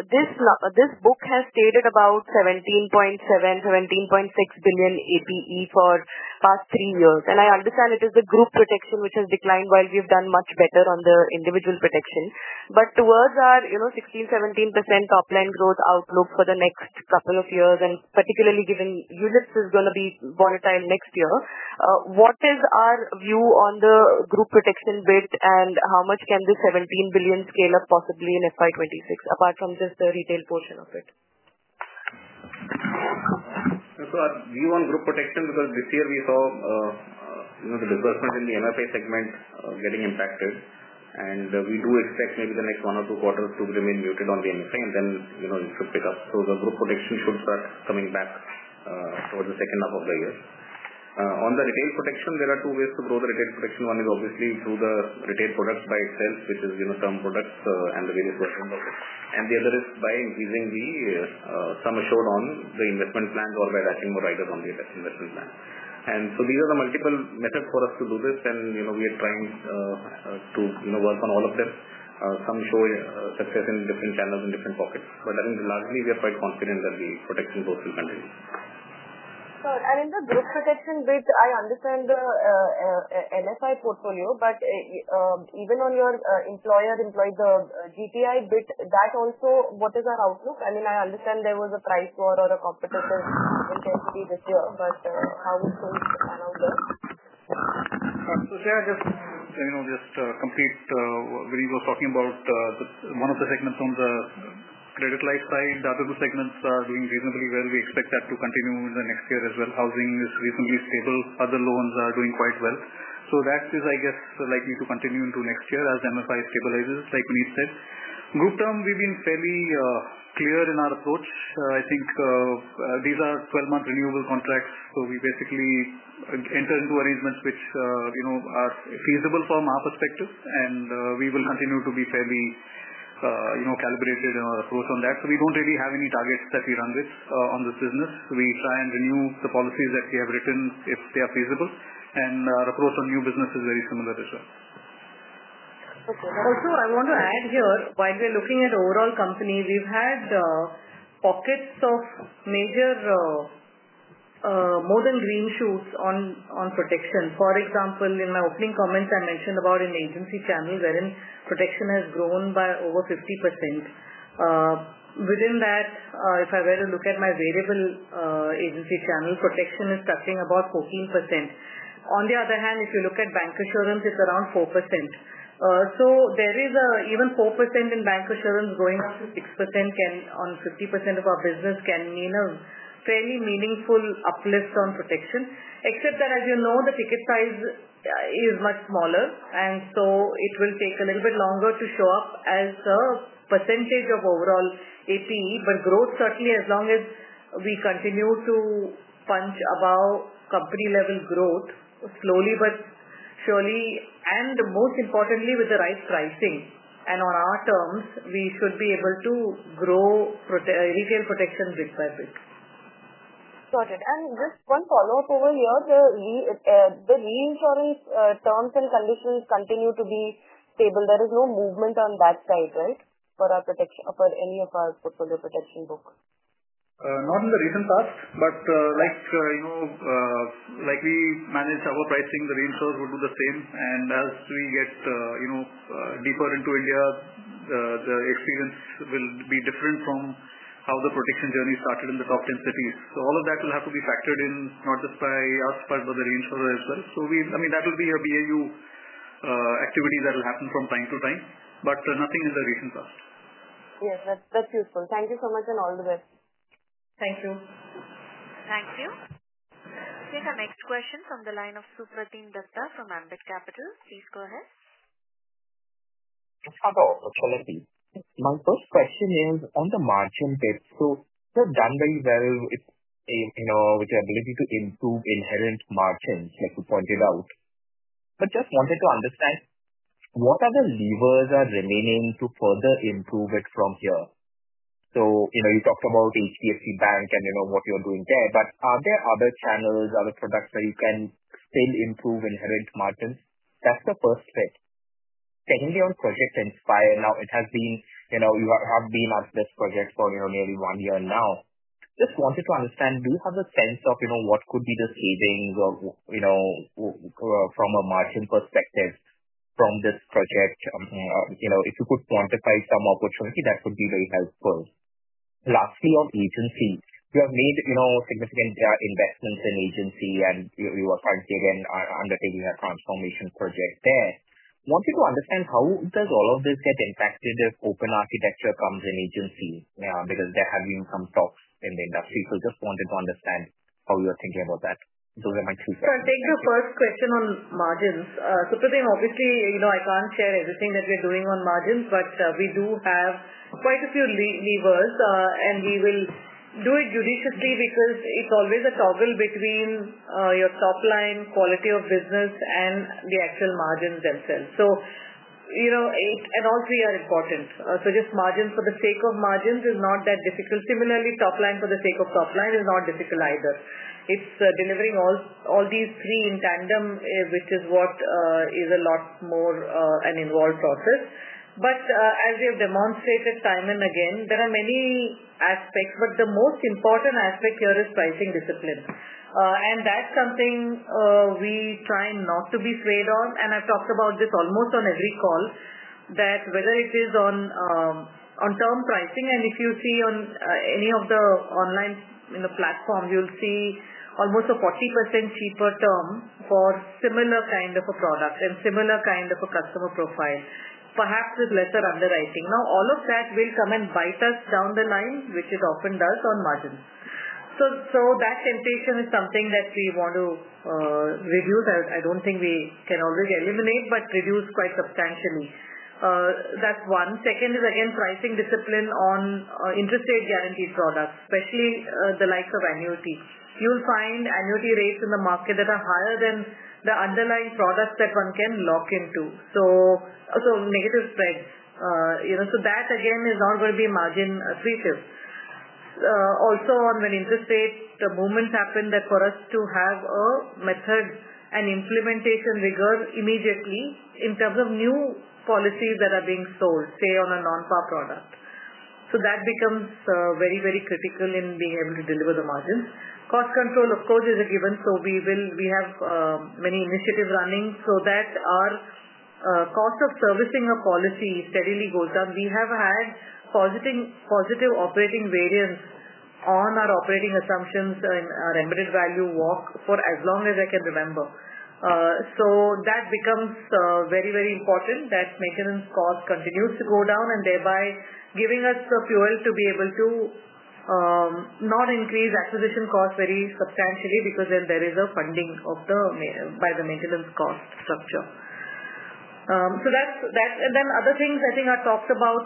This book has stated about 17.7 billion-17.6 billion APE for past three years. I understand it is the group protection which has declined while we have done much better on the individual protection. Towards our 16%-17% top-line growth outlook for the next couple of years, particularly given units is going to be volatile next year, what is our view on the group protection bit and how much can this 17 billion scale up possibly in FY 2026, apart from just the retail portion of it? Our view on group protection, because this year we saw the disbursement in the MFI segment getting impacted, and we do expect maybe the next one or two quarters to remain muted on the MFI, and then it should pick up. The group protection should start coming back towards the second half of the year. On the retail protection, there are two ways to grow the retail protection. One is obviously through the retail products by itself, which is term products and the various versions of it. The other is by increasing the sum assured on the investment plans or by adding more riders on the investment plans. These are the multiple methods for us to do this, and we are trying to work on all of them. Some show success in different channels and different pockets. I think largely we are quite confident that the protection growth will continue. In the group protection bit, I understand the MFI portfolio, but even on your employer-employee, the GPI bit, that also, what is our outlook? I mean, I understand there was a price war or a competition with SD this year, but how will things pan out there? Shreya, just complete when he was talking about one of the segments on the credit life side, the other two segments are doing reasonably well. We expect that to continue in the next year as well. Housing is reasonably stable. Other loans are doing quite well. That is, I guess, likely to continue into next year as MFI stabilizes, like Vineet said. Group term, we've been fairly clear in our approach. I think these are 12-month renewable contracts, so we basically enter into arrangements which are feasible from our perspective, and we will continue to be fairly calibrated in our approach on that. We do not really have any targets that we run with on this business. We try and renew the policies that we have written if they are feasible, and our approach on new business is very similar as well. Also, I want to add here, while we are looking at overall company, we have had pockets of major more than green shoots on protection. For example, in my opening comments, I mentioned about in the agency channel wherein protection has grown by over 50%. Within that, if I were to look at my variable agency channel, protection is touching about 14%. On the other hand, if you look at bancassurance, it is around 4%. There is even 4% in bancassurance going up to 6% on 50% of our business, which can mean a fairly meaningful uplift on protection, except that, as you know, the ticket size is much smaller, and so it will take a little bit longer to show up as a percentage of overall APE. Growth certainly, as long as we continue to punch above company-level growth slowly but surely, and most importantly, with the right pricing and on our terms, we should be able to grow retail protection bit by bit. Got it. Just one follow-up over here. The reinsurance terms and conditions continue to be stable. There is no movement on that side, right, for any of our portfolio protection book? Not in the recent past, but like we manage our pricing, the reinsurers will do the same. As we get deeper into India, the experience will be different from how the protection journey started in the top 10 cities. All of that will have to be factored in, not just by us, but by the reinsurer as well. I mean, that will be a BAU activity that will happen from time to time, but nothing in the recent past. Yes. That's useful. Thank you so much and all the best. Thank you. Thank you. We have a next question from the line of Supratim Dutta from Ambit Capital. Please go ahead. Hi. My first question is on the margin bit. You have done very well with your ability to improve inherent margins, like you pointed out. Just wanted to understand what other levers are remaining to further improve it from here. You talked about HDFC Bank and what you're doing there, but are there other channels, other products that you can still improve inherent margins? That's the first bit. Secondly, on Project Inspire, now you have been at this project for nearly one year now. Just wanted to understand, do you have a sense of what could be the savings from a margin perspective from this project? If you could quantify some opportunity, that would be very helpful. Lastly, on agency, you have made significant investments in agency, and you are currently again undertaking a transformation project there. Wanted to understand how does all of this get impacted if open architecture comes in agency because there have been some talks in the industry. Just wanted to understand how you are thinking about that. Those are my two questions. I think the first question on margins. Supratim, obviously, I can't share everything that we are doing on margins, but we do have quite a few levers, and we will do it judiciously because it's always a toggle between your top-line quality of business and the actual margins themselves. All three are important. Just margins for the sake of margins is not that difficult. Similarly, top-line for the sake of top-line is not difficult either. It's delivering all these three in tandem, which is what is a lot more an involved process. As we have demonstrated time and again, there are many aspects, but the most important aspect here is pricing discipline. That's something we try not to be swayed on. I've talked about this almost on every call, that whether it is on term pricing, and if you see on any of the online platforms, you'll see almost a 40% cheaper term for similar kind of a product and similar kind of a customer profile, perhaps with lesser underwriting. Now, all of that will come and bite us down the line, which it often does on margins. That temptation is something that we want to reduce. I don't think we can always eliminate, but reduce quite substantially. That's one. Second is, again, pricing discipline on interest rate-guaranteed products, especially the likes of annuity. You'll find annuity rates in the market that are higher than the underlying products that one can lock into. So negative spreads. That, again, is not going to be margin attractive. Also, when interest rate movements happen, that for us to have a method and implementation rigor immediately in terms of new policies that are being sold, say, on a non-par product. That becomes very, very critical in being able to deliver the margins. Cost control, of course, is a given. We have many initiatives running so that our cost of servicing a policy steadily goes down. We have had positive operating variance on our operating assumptions and our embedded value walk for as long as I can remember. That becomes very, very important that maintenance cost continues to go down and thereby giving us the fuel to be able to not increase acquisition cost very substantially because then there is a funding by the maintenance cost structure. That is it. Other things I think I talked about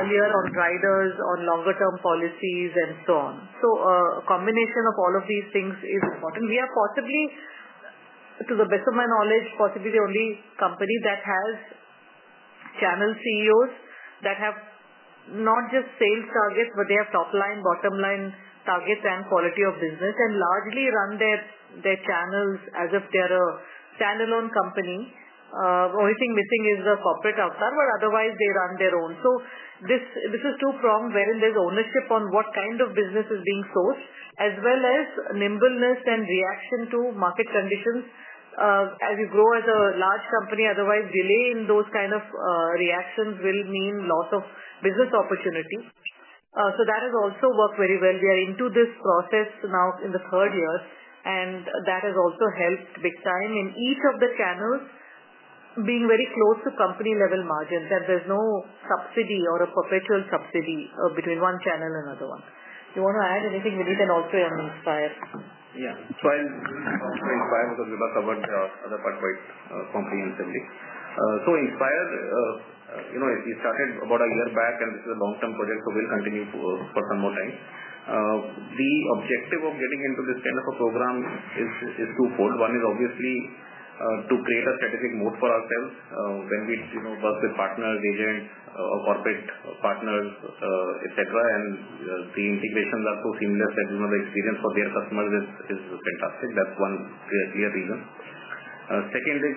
earlier on riders, on longer-term policies, and so on. A combination of all of these things is important. We are possibly, to the best of my knowledge, possibly the only company that has channel CEOs that have not just sales targets, but they have top-line, bottom-line targets and quality of business, and largely run their channels as if they are a standalone company. The only thing missing is the corporate avatar, but otherwise, they run their own. This is two-pronged wherein there is ownership on what kind of business is being sourced, as well as nimbleness and reaction to market conditions. As you grow as a large company, otherwise, delay in those kind of reactions will mean loss of business opportunity. That has also worked very well. We are into this process now in the third year, and that has also helped big time in each of the channels being very close to company-level margins. There is no subsidy or a perpetual subsidy between one channel and another one. You want to add anything, Vineet, and also on Inspire? Yeah. I will talk about other part quite comprehensively. Inspire, we started about a year back, and this is a long-term project, so we will continue for some more time. The objective of getting into this kind of a program is twofold. One is obviously to create a strategic moat for ourselves when we work with partners, agents, corporate partners, etc., and the integrations are so seamless that the experience for their customers is fantastic. That is one clear reason. Second is,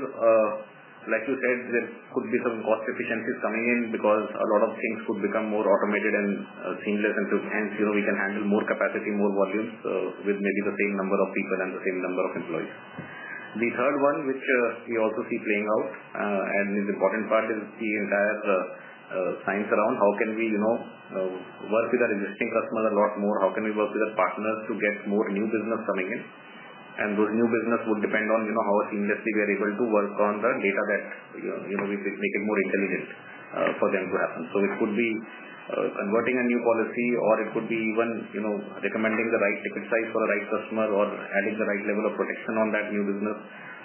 like you said, there could be some cost efficiencies coming in because a lot of things could become more automated and seamless, and we can handle more capacity, more volumes with maybe the same number of people and the same number of employees. The third one, which we also see playing out and is an important part, is the entire science around how can we work with our existing customers a lot more, how can we work with our partners to get more new business coming in. Those new business would depend on how seamlessly we are able to work on the data that we make it more intelligent for them to happen. It could be converting a new policy, or it could be even recommending the right ticket size for the right customer or adding the right level of protection on that new business.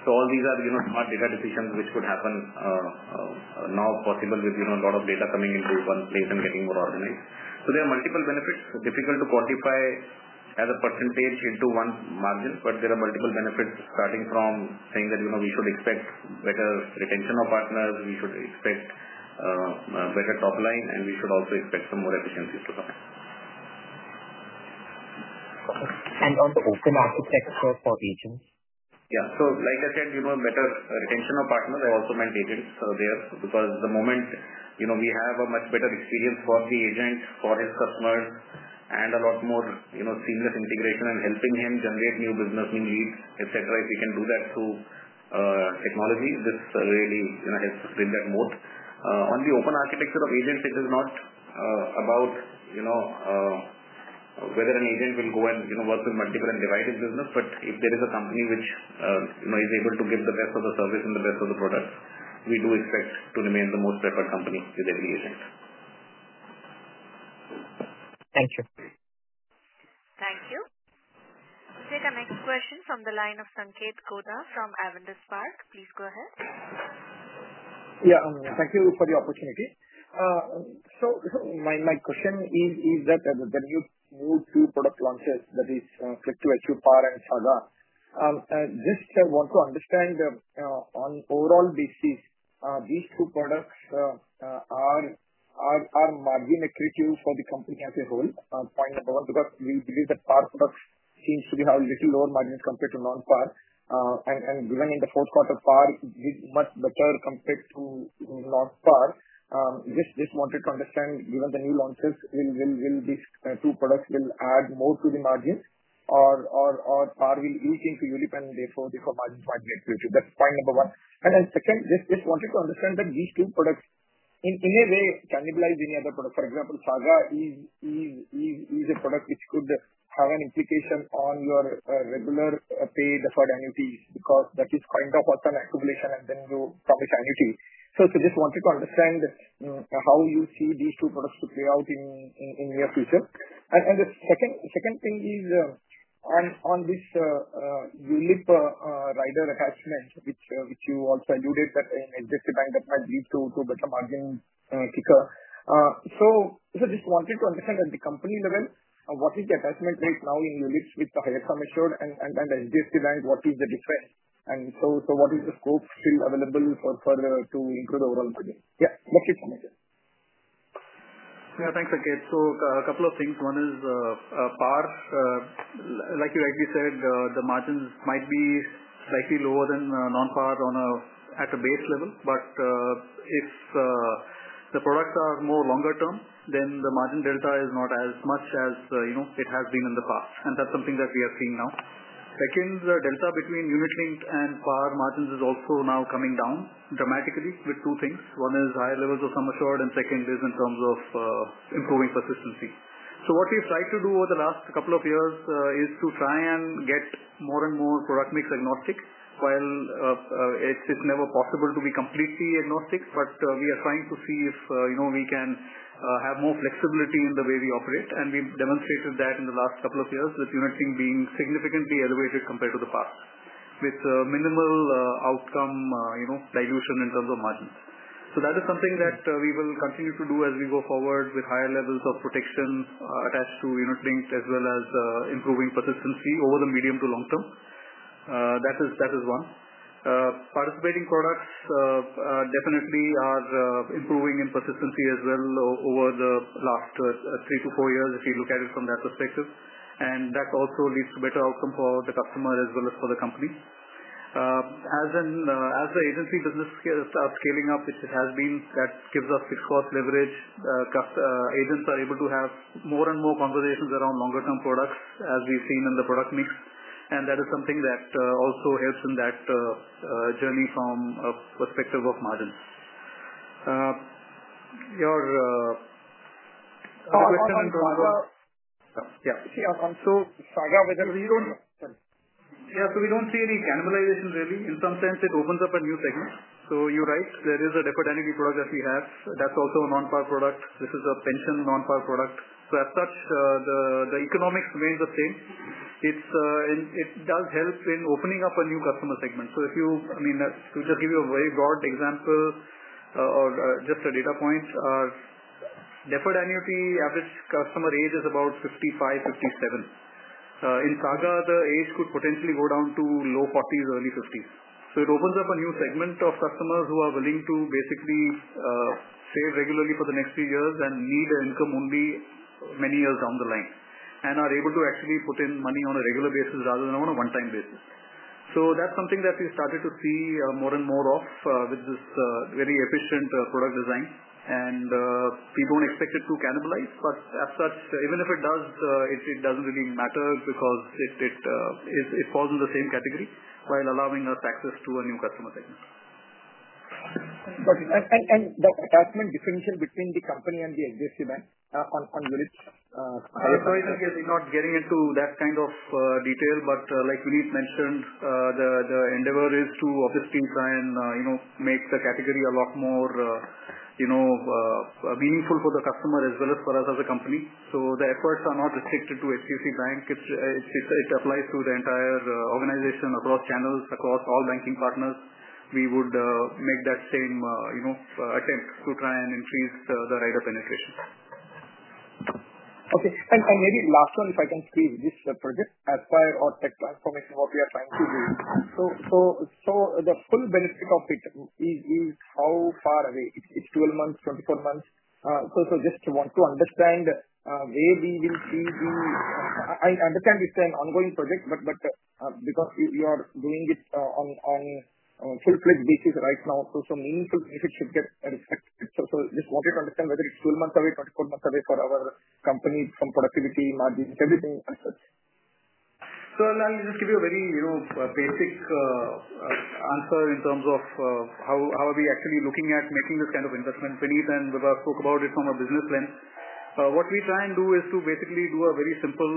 All these are smart data decisions which could happen now possible with a lot of data coming into one place and getting more organized. There are multiple benefits. Difficult to quantify as a percentage into one margin, but there are multiple benefits starting from saying that we should expect better retention of partners, we should expect better top line, and we should also expect some more efficiencies to come. On the open architecture for agents? Yeah. Like I said, better retention of partners. I also meant agents there because the moment we have a much better experience for the agent, for his customers, and a lot more seamless integration and helping him generate new business, new leads, etc., if we can do that through technology, this really helps to bring that moat. On the open architecture of agents, it is not about whether an agent will go and work with multiple and divide his business, but if there is a company which is able to give the best of the service and the best of the products, we do expect to remain the most preferred company with every agent. Thank you. Thank you. We take a next question from the line of Sanketh Godha from Avendus Spark. Please go ahead. Yeah. Thank you for the opportunity. My question is that the new two product launches, that is Click2 Achieve PAR and SAGA, just I want to understand on overall basis, these two products are margin accretive for the company as a whole, point number one, because we believe that PAR products seem to have a little lower margin compared to non-PAR. Given in the fourth quarter, PAR did much better compared to non-PAR. Just wanted to understand, given the new launches, will these two products add more to the margins, or PAR will leak into ULIP and therefore margins might be equity? That is point number one. Just wanted to understand that these two products, in a way, cannibalize any other product. For example, SAGA is a product which could have an implication on your regular paid deferred annuities because that is kind of what is an accumulation and then you promise annuity. Just wanted to understand how you see these two products to play out in the near future. The second thing is on this ULIP rider attachment, which you also alluded that in HDFC Bank that might lead to a better margin kicker. Just wanted to understand at the company level, what is the attachment rate now in units with the higher sum assured, and HDFC Bank, what is the difference? What is the scope still available to improve the overall margin? Yeah. What's your comment? Yeah. Thanks, Sanket. A couple of things. One is PAR, like you rightly said, the margins might be slightly lower than non-PAR at a base level, but if the products are more longer term, then the margin delta is not as much as it has been in the past. That is something that we are seeing now. Second, the delta between unit linked and PAR margins is also now coming down dramatically with two things. One is higher levels of sum assured, and second is in terms of improving persistency. What we've tried to do over the last couple of years is to try and get more and more product mix agnostic while it's never possible to be completely agnostic, but we are trying to see if we can have more flexibility in the way we operate. We've demonstrated that in the last couple of years with unit link being significantly elevated compared to the past, with minimal outcome dilution in terms of margins. That is something that we will continue to do as we go forward with higher levels of protection attached to unit linked as well as improving persistency over the medium to long term. That is one. Participating products definitely are improving in persistency as well over the last three to four years if you look at it from that perspective. That also leads to better outcome for the customer as well as for the company. As the agency business starts scaling up, which it has been, that gives us fixed cost leverage. Agents are able to have more and more conversations around longer-term products as we have seen in the product mix. That is something that also helps in that journey from a perspective of margins. Your question in terms of, yeah, Saga, whether we do not, yeah, We do not see any cannibalization really. In some sense, it opens up a new segment. You are right. There is a deferred annuity product that we have. That is also a non-par product. This is a pension non-par product. As such, the economics remains the same. It does help in opening up a new customer segment. If you, I mean, to just give you a very broad example or just a data point, deferred annuity average customer age is about 55-57. In SAGA, the age could potentially go down to low 40s, early 50s. It opens up a new segment of customers who are willing to basically save regularly for the next few years and need an income only many years down the line and are able to actually put in money on a regular basis rather than on a one-time basis. That is something that we started to see more and more of with this very efficient product design. We do not expect it to cannibalize, but as such, even if it does, it does not really matter because it falls in the same category while allowing us access to a new customer segment. The attachment differential between the company and HDFC Bank on units. Sorry, Sanketh, we're not getting into that kind of detail, but like Vineet mentioned, the endeavor is to obviously try and make the category a lot more meaningful for the customer as well as for us as a company. The efforts are not restricted to HDFC Bank. It applies to the entire organization across channels, across all banking partners. We would make that same attempt to try and increase the rider penetration. Okay. Maybe last one, if I can squeeze this, project Aspire or tech transformation, what we are trying to do. The full benefit of it is how far away? Is it 12 months, 24 months? I just want to understand where we will see the, I understand it's an ongoing project, but because you are doing it on a full-fledged basis right now, meaningful benefit should get respected. I just wanted to understand whether it's 12 months away, 24 months away for our company from productivity, margins, everything as such. Let me just give you a very basic answer in terms of how we are actually looking at making this kind of investment. Vineet Godha spoke about it from a business lens. What we try and do is to basically do a very simple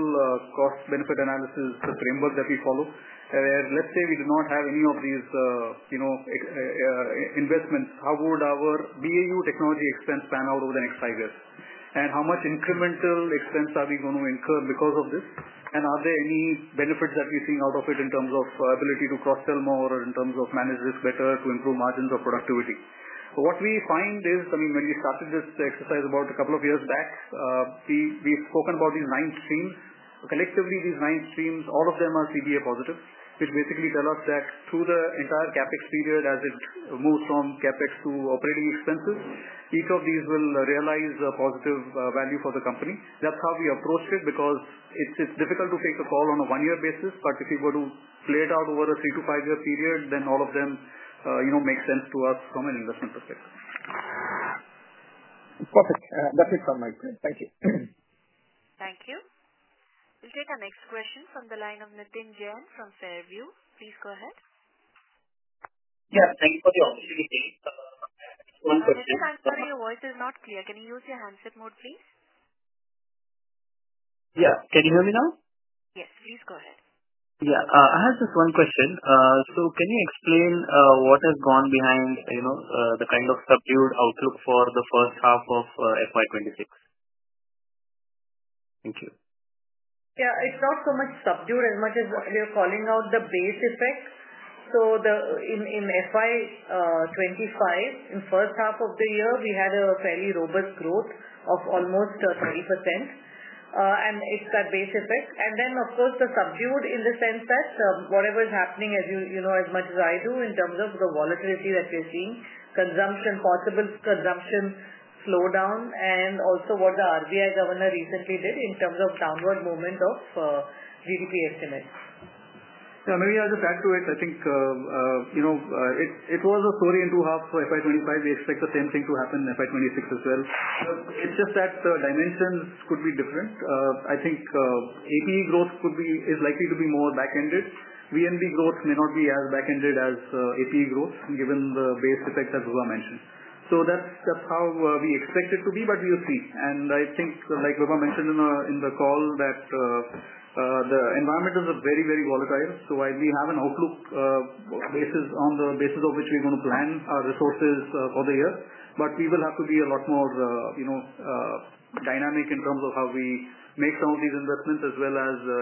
cost-benefit analysis, the framework that we follow, where let's say we do not have any of these investments. How would our BAU technology expense pan out over the next five years? And how much incremental expense are we going to incur because of this? Are there any benefits that we're seeing out of it in terms of ability to cross-sell more or in terms of manage risk better to improve margins or productivity? What we find is, I mean, when we started this exercise about a couple of years back, we've spoken about these nine streams. Collectively, these nine streams, all of them are CDA positive, which basically tell us that through the entire CapEx period, as it moves from CapEx to operating expenses, each of these will realize a positive value for the company. That's how we approached it because it's difficult to take a call on a one-year basis, but if you go to play it out over a three- to five-year period, then all of them make sense to us from an investment perspective. Perfect. That's it from my side. Thank you. Thank you. We'll take a next question from the line ofNitin Jain from Fairview. Please go ahead. Thank you for the opportunity. One question. Sorry, your voice is not clear. Can you use your hands-up mode, please? Can you hear me now? Yes. Please go ahead. I have just one question. Can you explain what has gone behind the kind of subdued outlook for the first half of FY 2026? Thank you. It's not so much subdued as much as they're calling out the base effect. In FY 2025, in the first half of the year, we had a fairly robust growth of almost 30%. It's that base effect. Of course, the subdued in the sense that whatever is happening as much as I do in terms of the volatility that we're seeing, possible consumption slowdown, and also what the RBI governor recently did in terms of downward movement of GDP estimates. Yeah. Maybe I'll just add to it. I think it was a story in two halves for FY 2025. We expect the same thing to happen in FY 2026 as well. It's just that the dimensions could be different. I think APE growth is likely to be more back-ended. VNB growth may not be as back-ended as APE growth given the base effect that Godha mentioned. That's how we expect it to be, but we'll see. I think, like Godha mentioned in the call, the environment is very, very volatile. While we have an outlook basis on the basis of which we're going to plan our resources for the year, we will have to be a lot more dynamic in terms of how we make some of these investments as well as the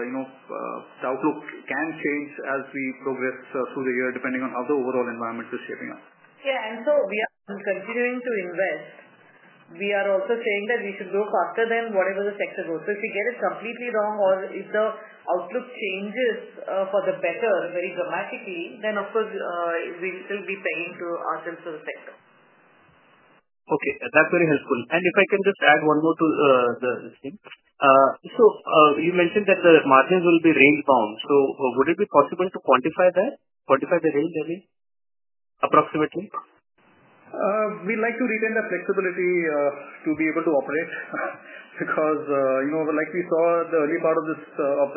outlook can change as we progress through the year depending on how the overall environment is shaping up. Yeah. We are continuing to invest. We are also saying that we should grow faster than whatever the sector grows. If we get it completely wrong or if the outlook changes for the better very dramatically, then, of course, we'll still be paying to ourselves for the sector. Okay. That's very helpful. If I can just add one more to the thing. You mentioned that the margins will be range-bound. Would it be possible to quantify that? Quantify the range level approximately? We'd like to retain the flexibility to be able to operate because, like we saw the early part of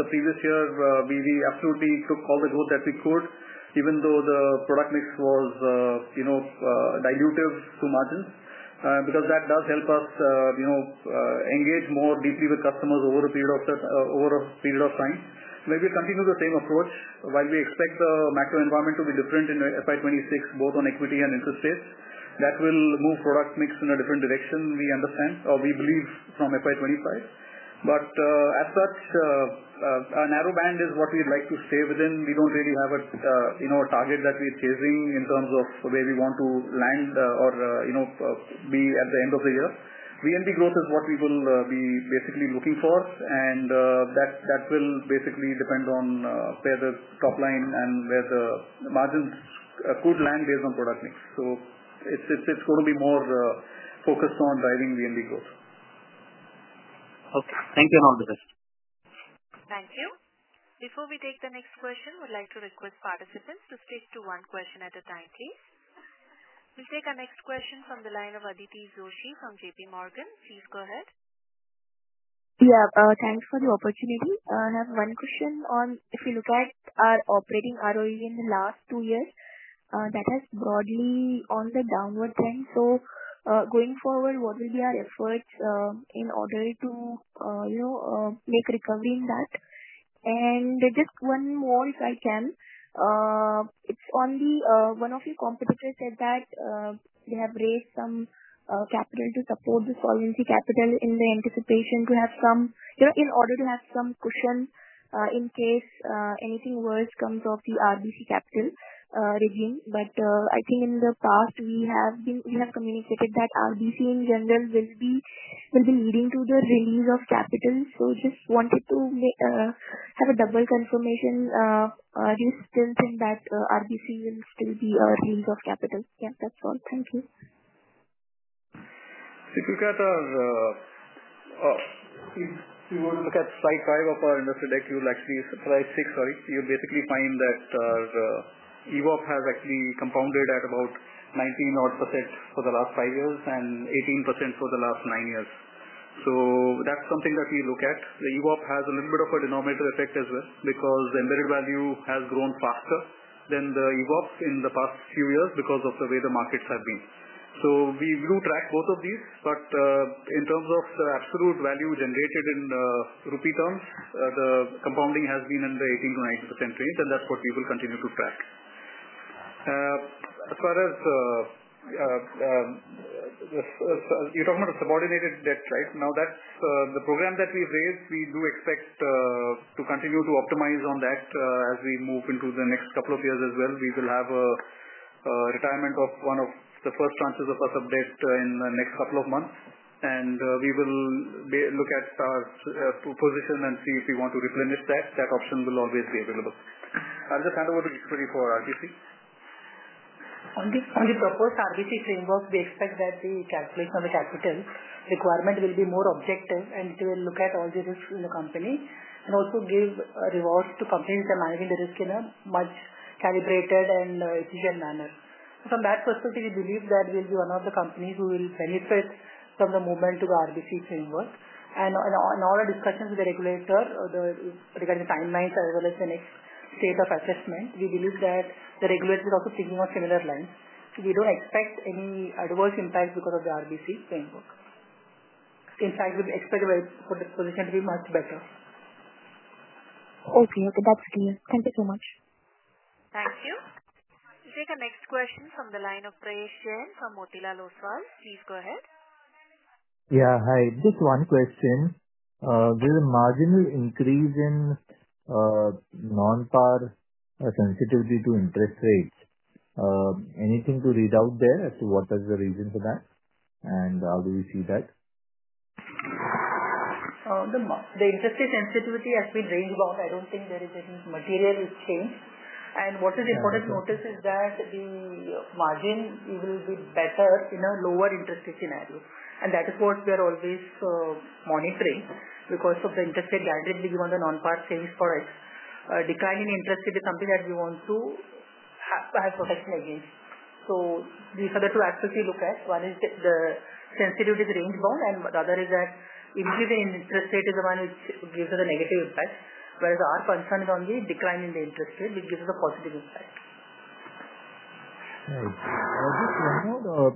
the previous year, we absolutely took all the growth that we could even though the product mix was dilutive to margins because that does help us engage more deeply with customers over a period of time. Maybe continue the same approach while we expect the macro environment to be different in FY 2026, both on equity and interest rates. That will move product mix in a different direction, we understand, or we believe from FY 2025. As such, a narrow band is what we'd like to stay within. We don't really have a target that we're chasing in terms of where we want to land or be at the end of the year. VNB growth is what we will be basically looking for. That will basically depend on where the top line and where the margins could land based on product mix. It is going to be more focused on driving VNB growth. Okay. Thank you and all the best. Thank you. Before we take the next question, we would like to request participants to stick to one question at a time, please. We will take a next question from the line of Aditi Joshi from JPMorgan. Please go ahead. Yeah. Thanks for the opportunity. I have one question on if we look at our operating ROE in the last two years, that has broadly been on the downward trend. Going forward, what will be our efforts in order to make recovery in that? Just one more if I can. One of your competitors said that they have raised some capital to support the solvency capital in anticipation to have some cushion in case anything worse comes off the RBC capital regime. I think in the past, we have communicated that RBC in general will be leading to the release of capital. I just wanted to have a double confirmation. Do you still think that RBC will still be a release of capital? Yeah. That's all. Thank you. If you look at slide five of our investor deck, actually slide six, sorry, you'll basically find that EVOP has actually compounded at about 19% for the last five years and 18% for the last nine years. That's something that we look at. The EVOP has a little bit of a denominator effect as well because the embedded value has grown faster than the EVOP in the past few years because of the way the markets have been. We do track both of these. In terms of the absolute value generated in rupee terms, the compounding has been in the 18%-19% range, and that's what we will continue to track. As far as you're talking about a subordinated debt, right? Now, the program that we've raised, we do expect to continue to optimize on that as we move into the next couple of years as well. We will have a retirement of one of the first tranches of debt in the next couple of months. We will look at our position and see if we want to replenish that. That option will always be available. I'll just hand over to Eshwari for RBC. On the purpose RBC framework, we expect that the calculation of the capital requirement will be more objective, and it will look at all the risks in the company and also give rewards to companies that are managing the risk in a much calibrated and efficient manner. From that perspective, we believe that we'll be one of the companies who will benefit from the movement to the RBC framework. In all our discussions with the regulator regarding the timelines as well as the next state of assessment, we believe that the regulator is also thinking on similar lines. We don't expect any adverse impact because of the RBC framework. In fact, we expect the position to be much better. Okay. Okay. That's clear. Thank you so much. Thank you. We'll take a next question from the line of Prayesh Jain from Motilal Oswal. Please go ahead. Yeah. Hi. Just one question. There's a marginal increase in non-PAR sensitivity to interest rates. Anything to read out there as to what is the reason for that? And how do we see that? The interest rate sensitivity has been range-bound. I don't think there is any material change. What is important to notice is that the margin will be better in a lower interest rate scenario. That is what we are always monitoring because of the interest rate guarantees we give on the non-PAR things for us. Declining interest rate is something that we want to have protection against. These are the two aspects we look at. One is the sensitivity is range-bound, and the other is that increase in interest rate is the one which gives us a negative impact. Whereas our concern is only declining the interest rate, which gives us a positive impact. Right. Just one more.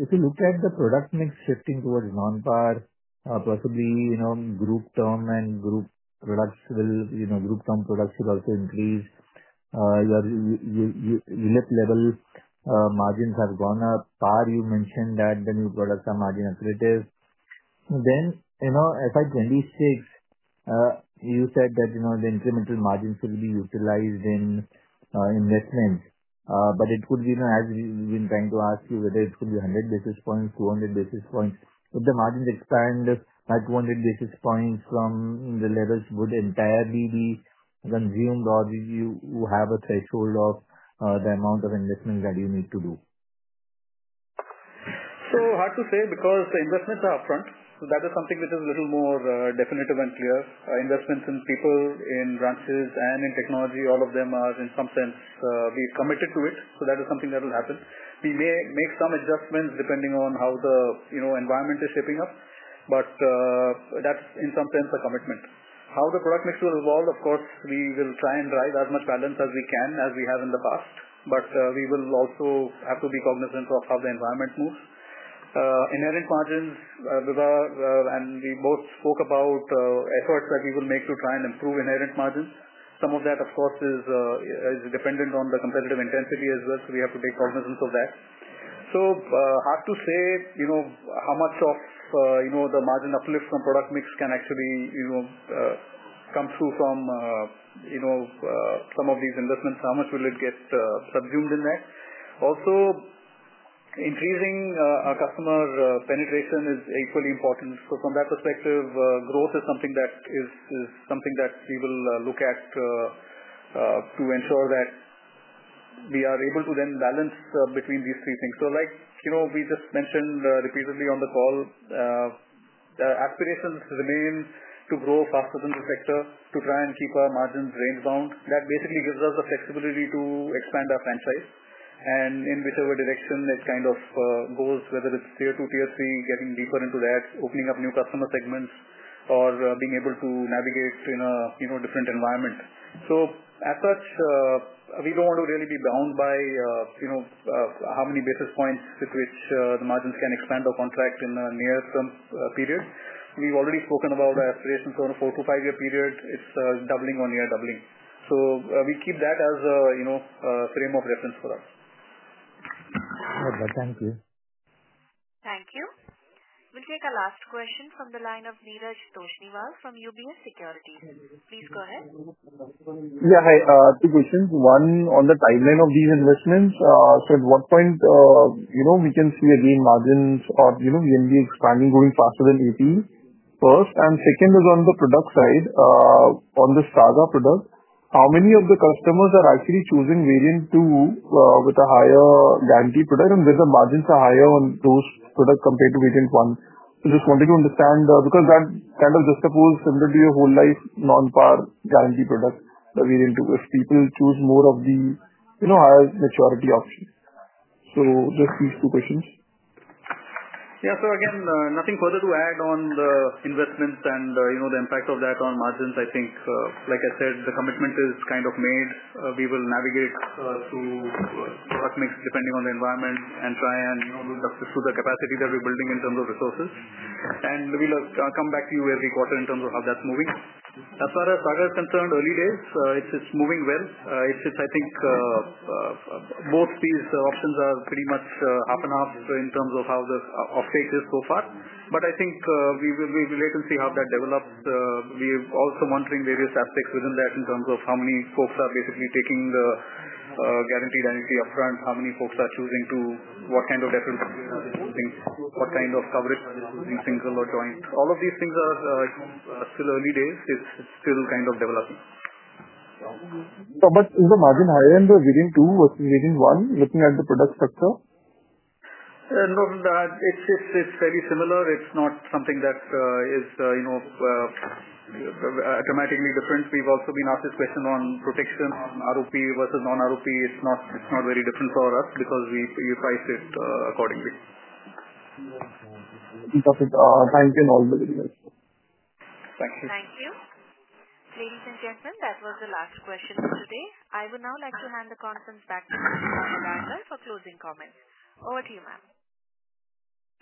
If you look at the product mix shifting towards non-PAR, possibly group term and group products will group term products should also increase. Your unit level margins have gone up. PAR, you mentioned that the new products are margin-accretive. In FY 2026, you said that the incremental margins should be utilized in investment. It could be, as we've been trying to ask you, whether it could be 100 basis points, 200 basis points. If the margins expand by 200 basis points from the levels, would entirely be consumed, or do you have a threshold of the amount of investment that you need to do? Is hard to say because the investments are upfront. That is something which is a little more definitive and clear. Investments in people, in branches, and in technology, all of them are in some sense we've committed to it. That is something that will happen. We may make some adjustments depending on how the environment is shaping up. That is in some sense a commitment. How the product mix will evolve, of course, we will try and drive as much balance as we can as we have in the past. We will also have to be cognizant of how the environment moves. Inherent margins, Godha and we both spoke about efforts that we will make to try and improve inherent margins. Some of that, of course, is dependent on the competitive intensity as well. We have to be cognizant of that. is hard to say how much of the margin uplift from product mix can actually come through from some of these investments. How much will it get subsumed in that? Also, increasing our customer penetration is equally important. From that perspective, growth is something that we will look at to ensure that we are able to then balance between these three things. Like we just mentioned repeatedly on the call, the aspirations remain to grow faster than the sector to try and keep our margins range-bound. That basically gives us the flexibility to expand our franchise. In whichever direction it kind of goes, whether it is tier two, tier three, getting deeper into that, opening up new customer segments, or being able to navigate in a different environment. As such, we do not want to really be bound by how many basis points with which the margins can expand or contract in a near-term period. We have already spoken about our aspirations for a four- to five-year period. It is doubling or near doubling. We keep that as a frame of reference for us. Thank you. Thank you. We will take a last question from the line of Neeraj Toshniwal from UBS Securities. Please go ahead. Yeah. Hi. Two questions. One on the timeline of these investments. At what point can we see again margins or VNB expanding, going faster than APE first? Second is on the product side, on the SAGA product, how many of the customers are actually choosing variant two with a higher guarantee product? Where are the margins higher on those products compared to variant one? I just wanted to understand because that kind of just suppose similar to your whole life non-PAR guarantee product, the variant two, if people choose more of the higher maturity option. Just these two questions. Yeah. Nothing further to add on the investments and the impact of that on margins. Like I said, the commitment is kind of made. We will navigate through product mix depending on the environment and try and look at the capacity that we're building in terms of resources. We will come back to you every quarter in terms of how that's moving. As far as SAGA is concerned, early days, it's moving well. I think both these options are pretty much half and half in terms of how the uptake is so far. I think we will wait and see how that develops. We're also monitoring various aspects within that in terms of how many folks are basically taking the guaranteed energy upfront, how many folks are choosing what kind of different things, what kind of coverage, using single or joint. All of these things are still early days. It's still kind of developing. Is the margin higher in the variant two versus Variant 1, looking at the product structure? No, it's very similar. It's not something that is dramatically different. We've also been asked this question on protection, ROP versus non-ROP. It's not very different for us because we price it accordingly. Thank you in all the ways. Thank you. Thank you. Ladies and gentlemen, that was the last question for today. I would now like to hand the conference back to Ms. Vibha Padalkar for closing comments. Over to you, ma'am.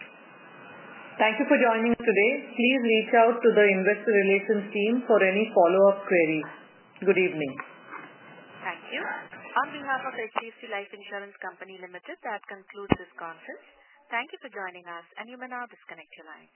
Thank you for joining today. Please reach out to the investor relations team for any follow-up queries. Good evening. Thank you. On behalf of HDFC Life Insurance Company Limited, that concludes this conference. Thank you for joining us, and you may now disconnect your line.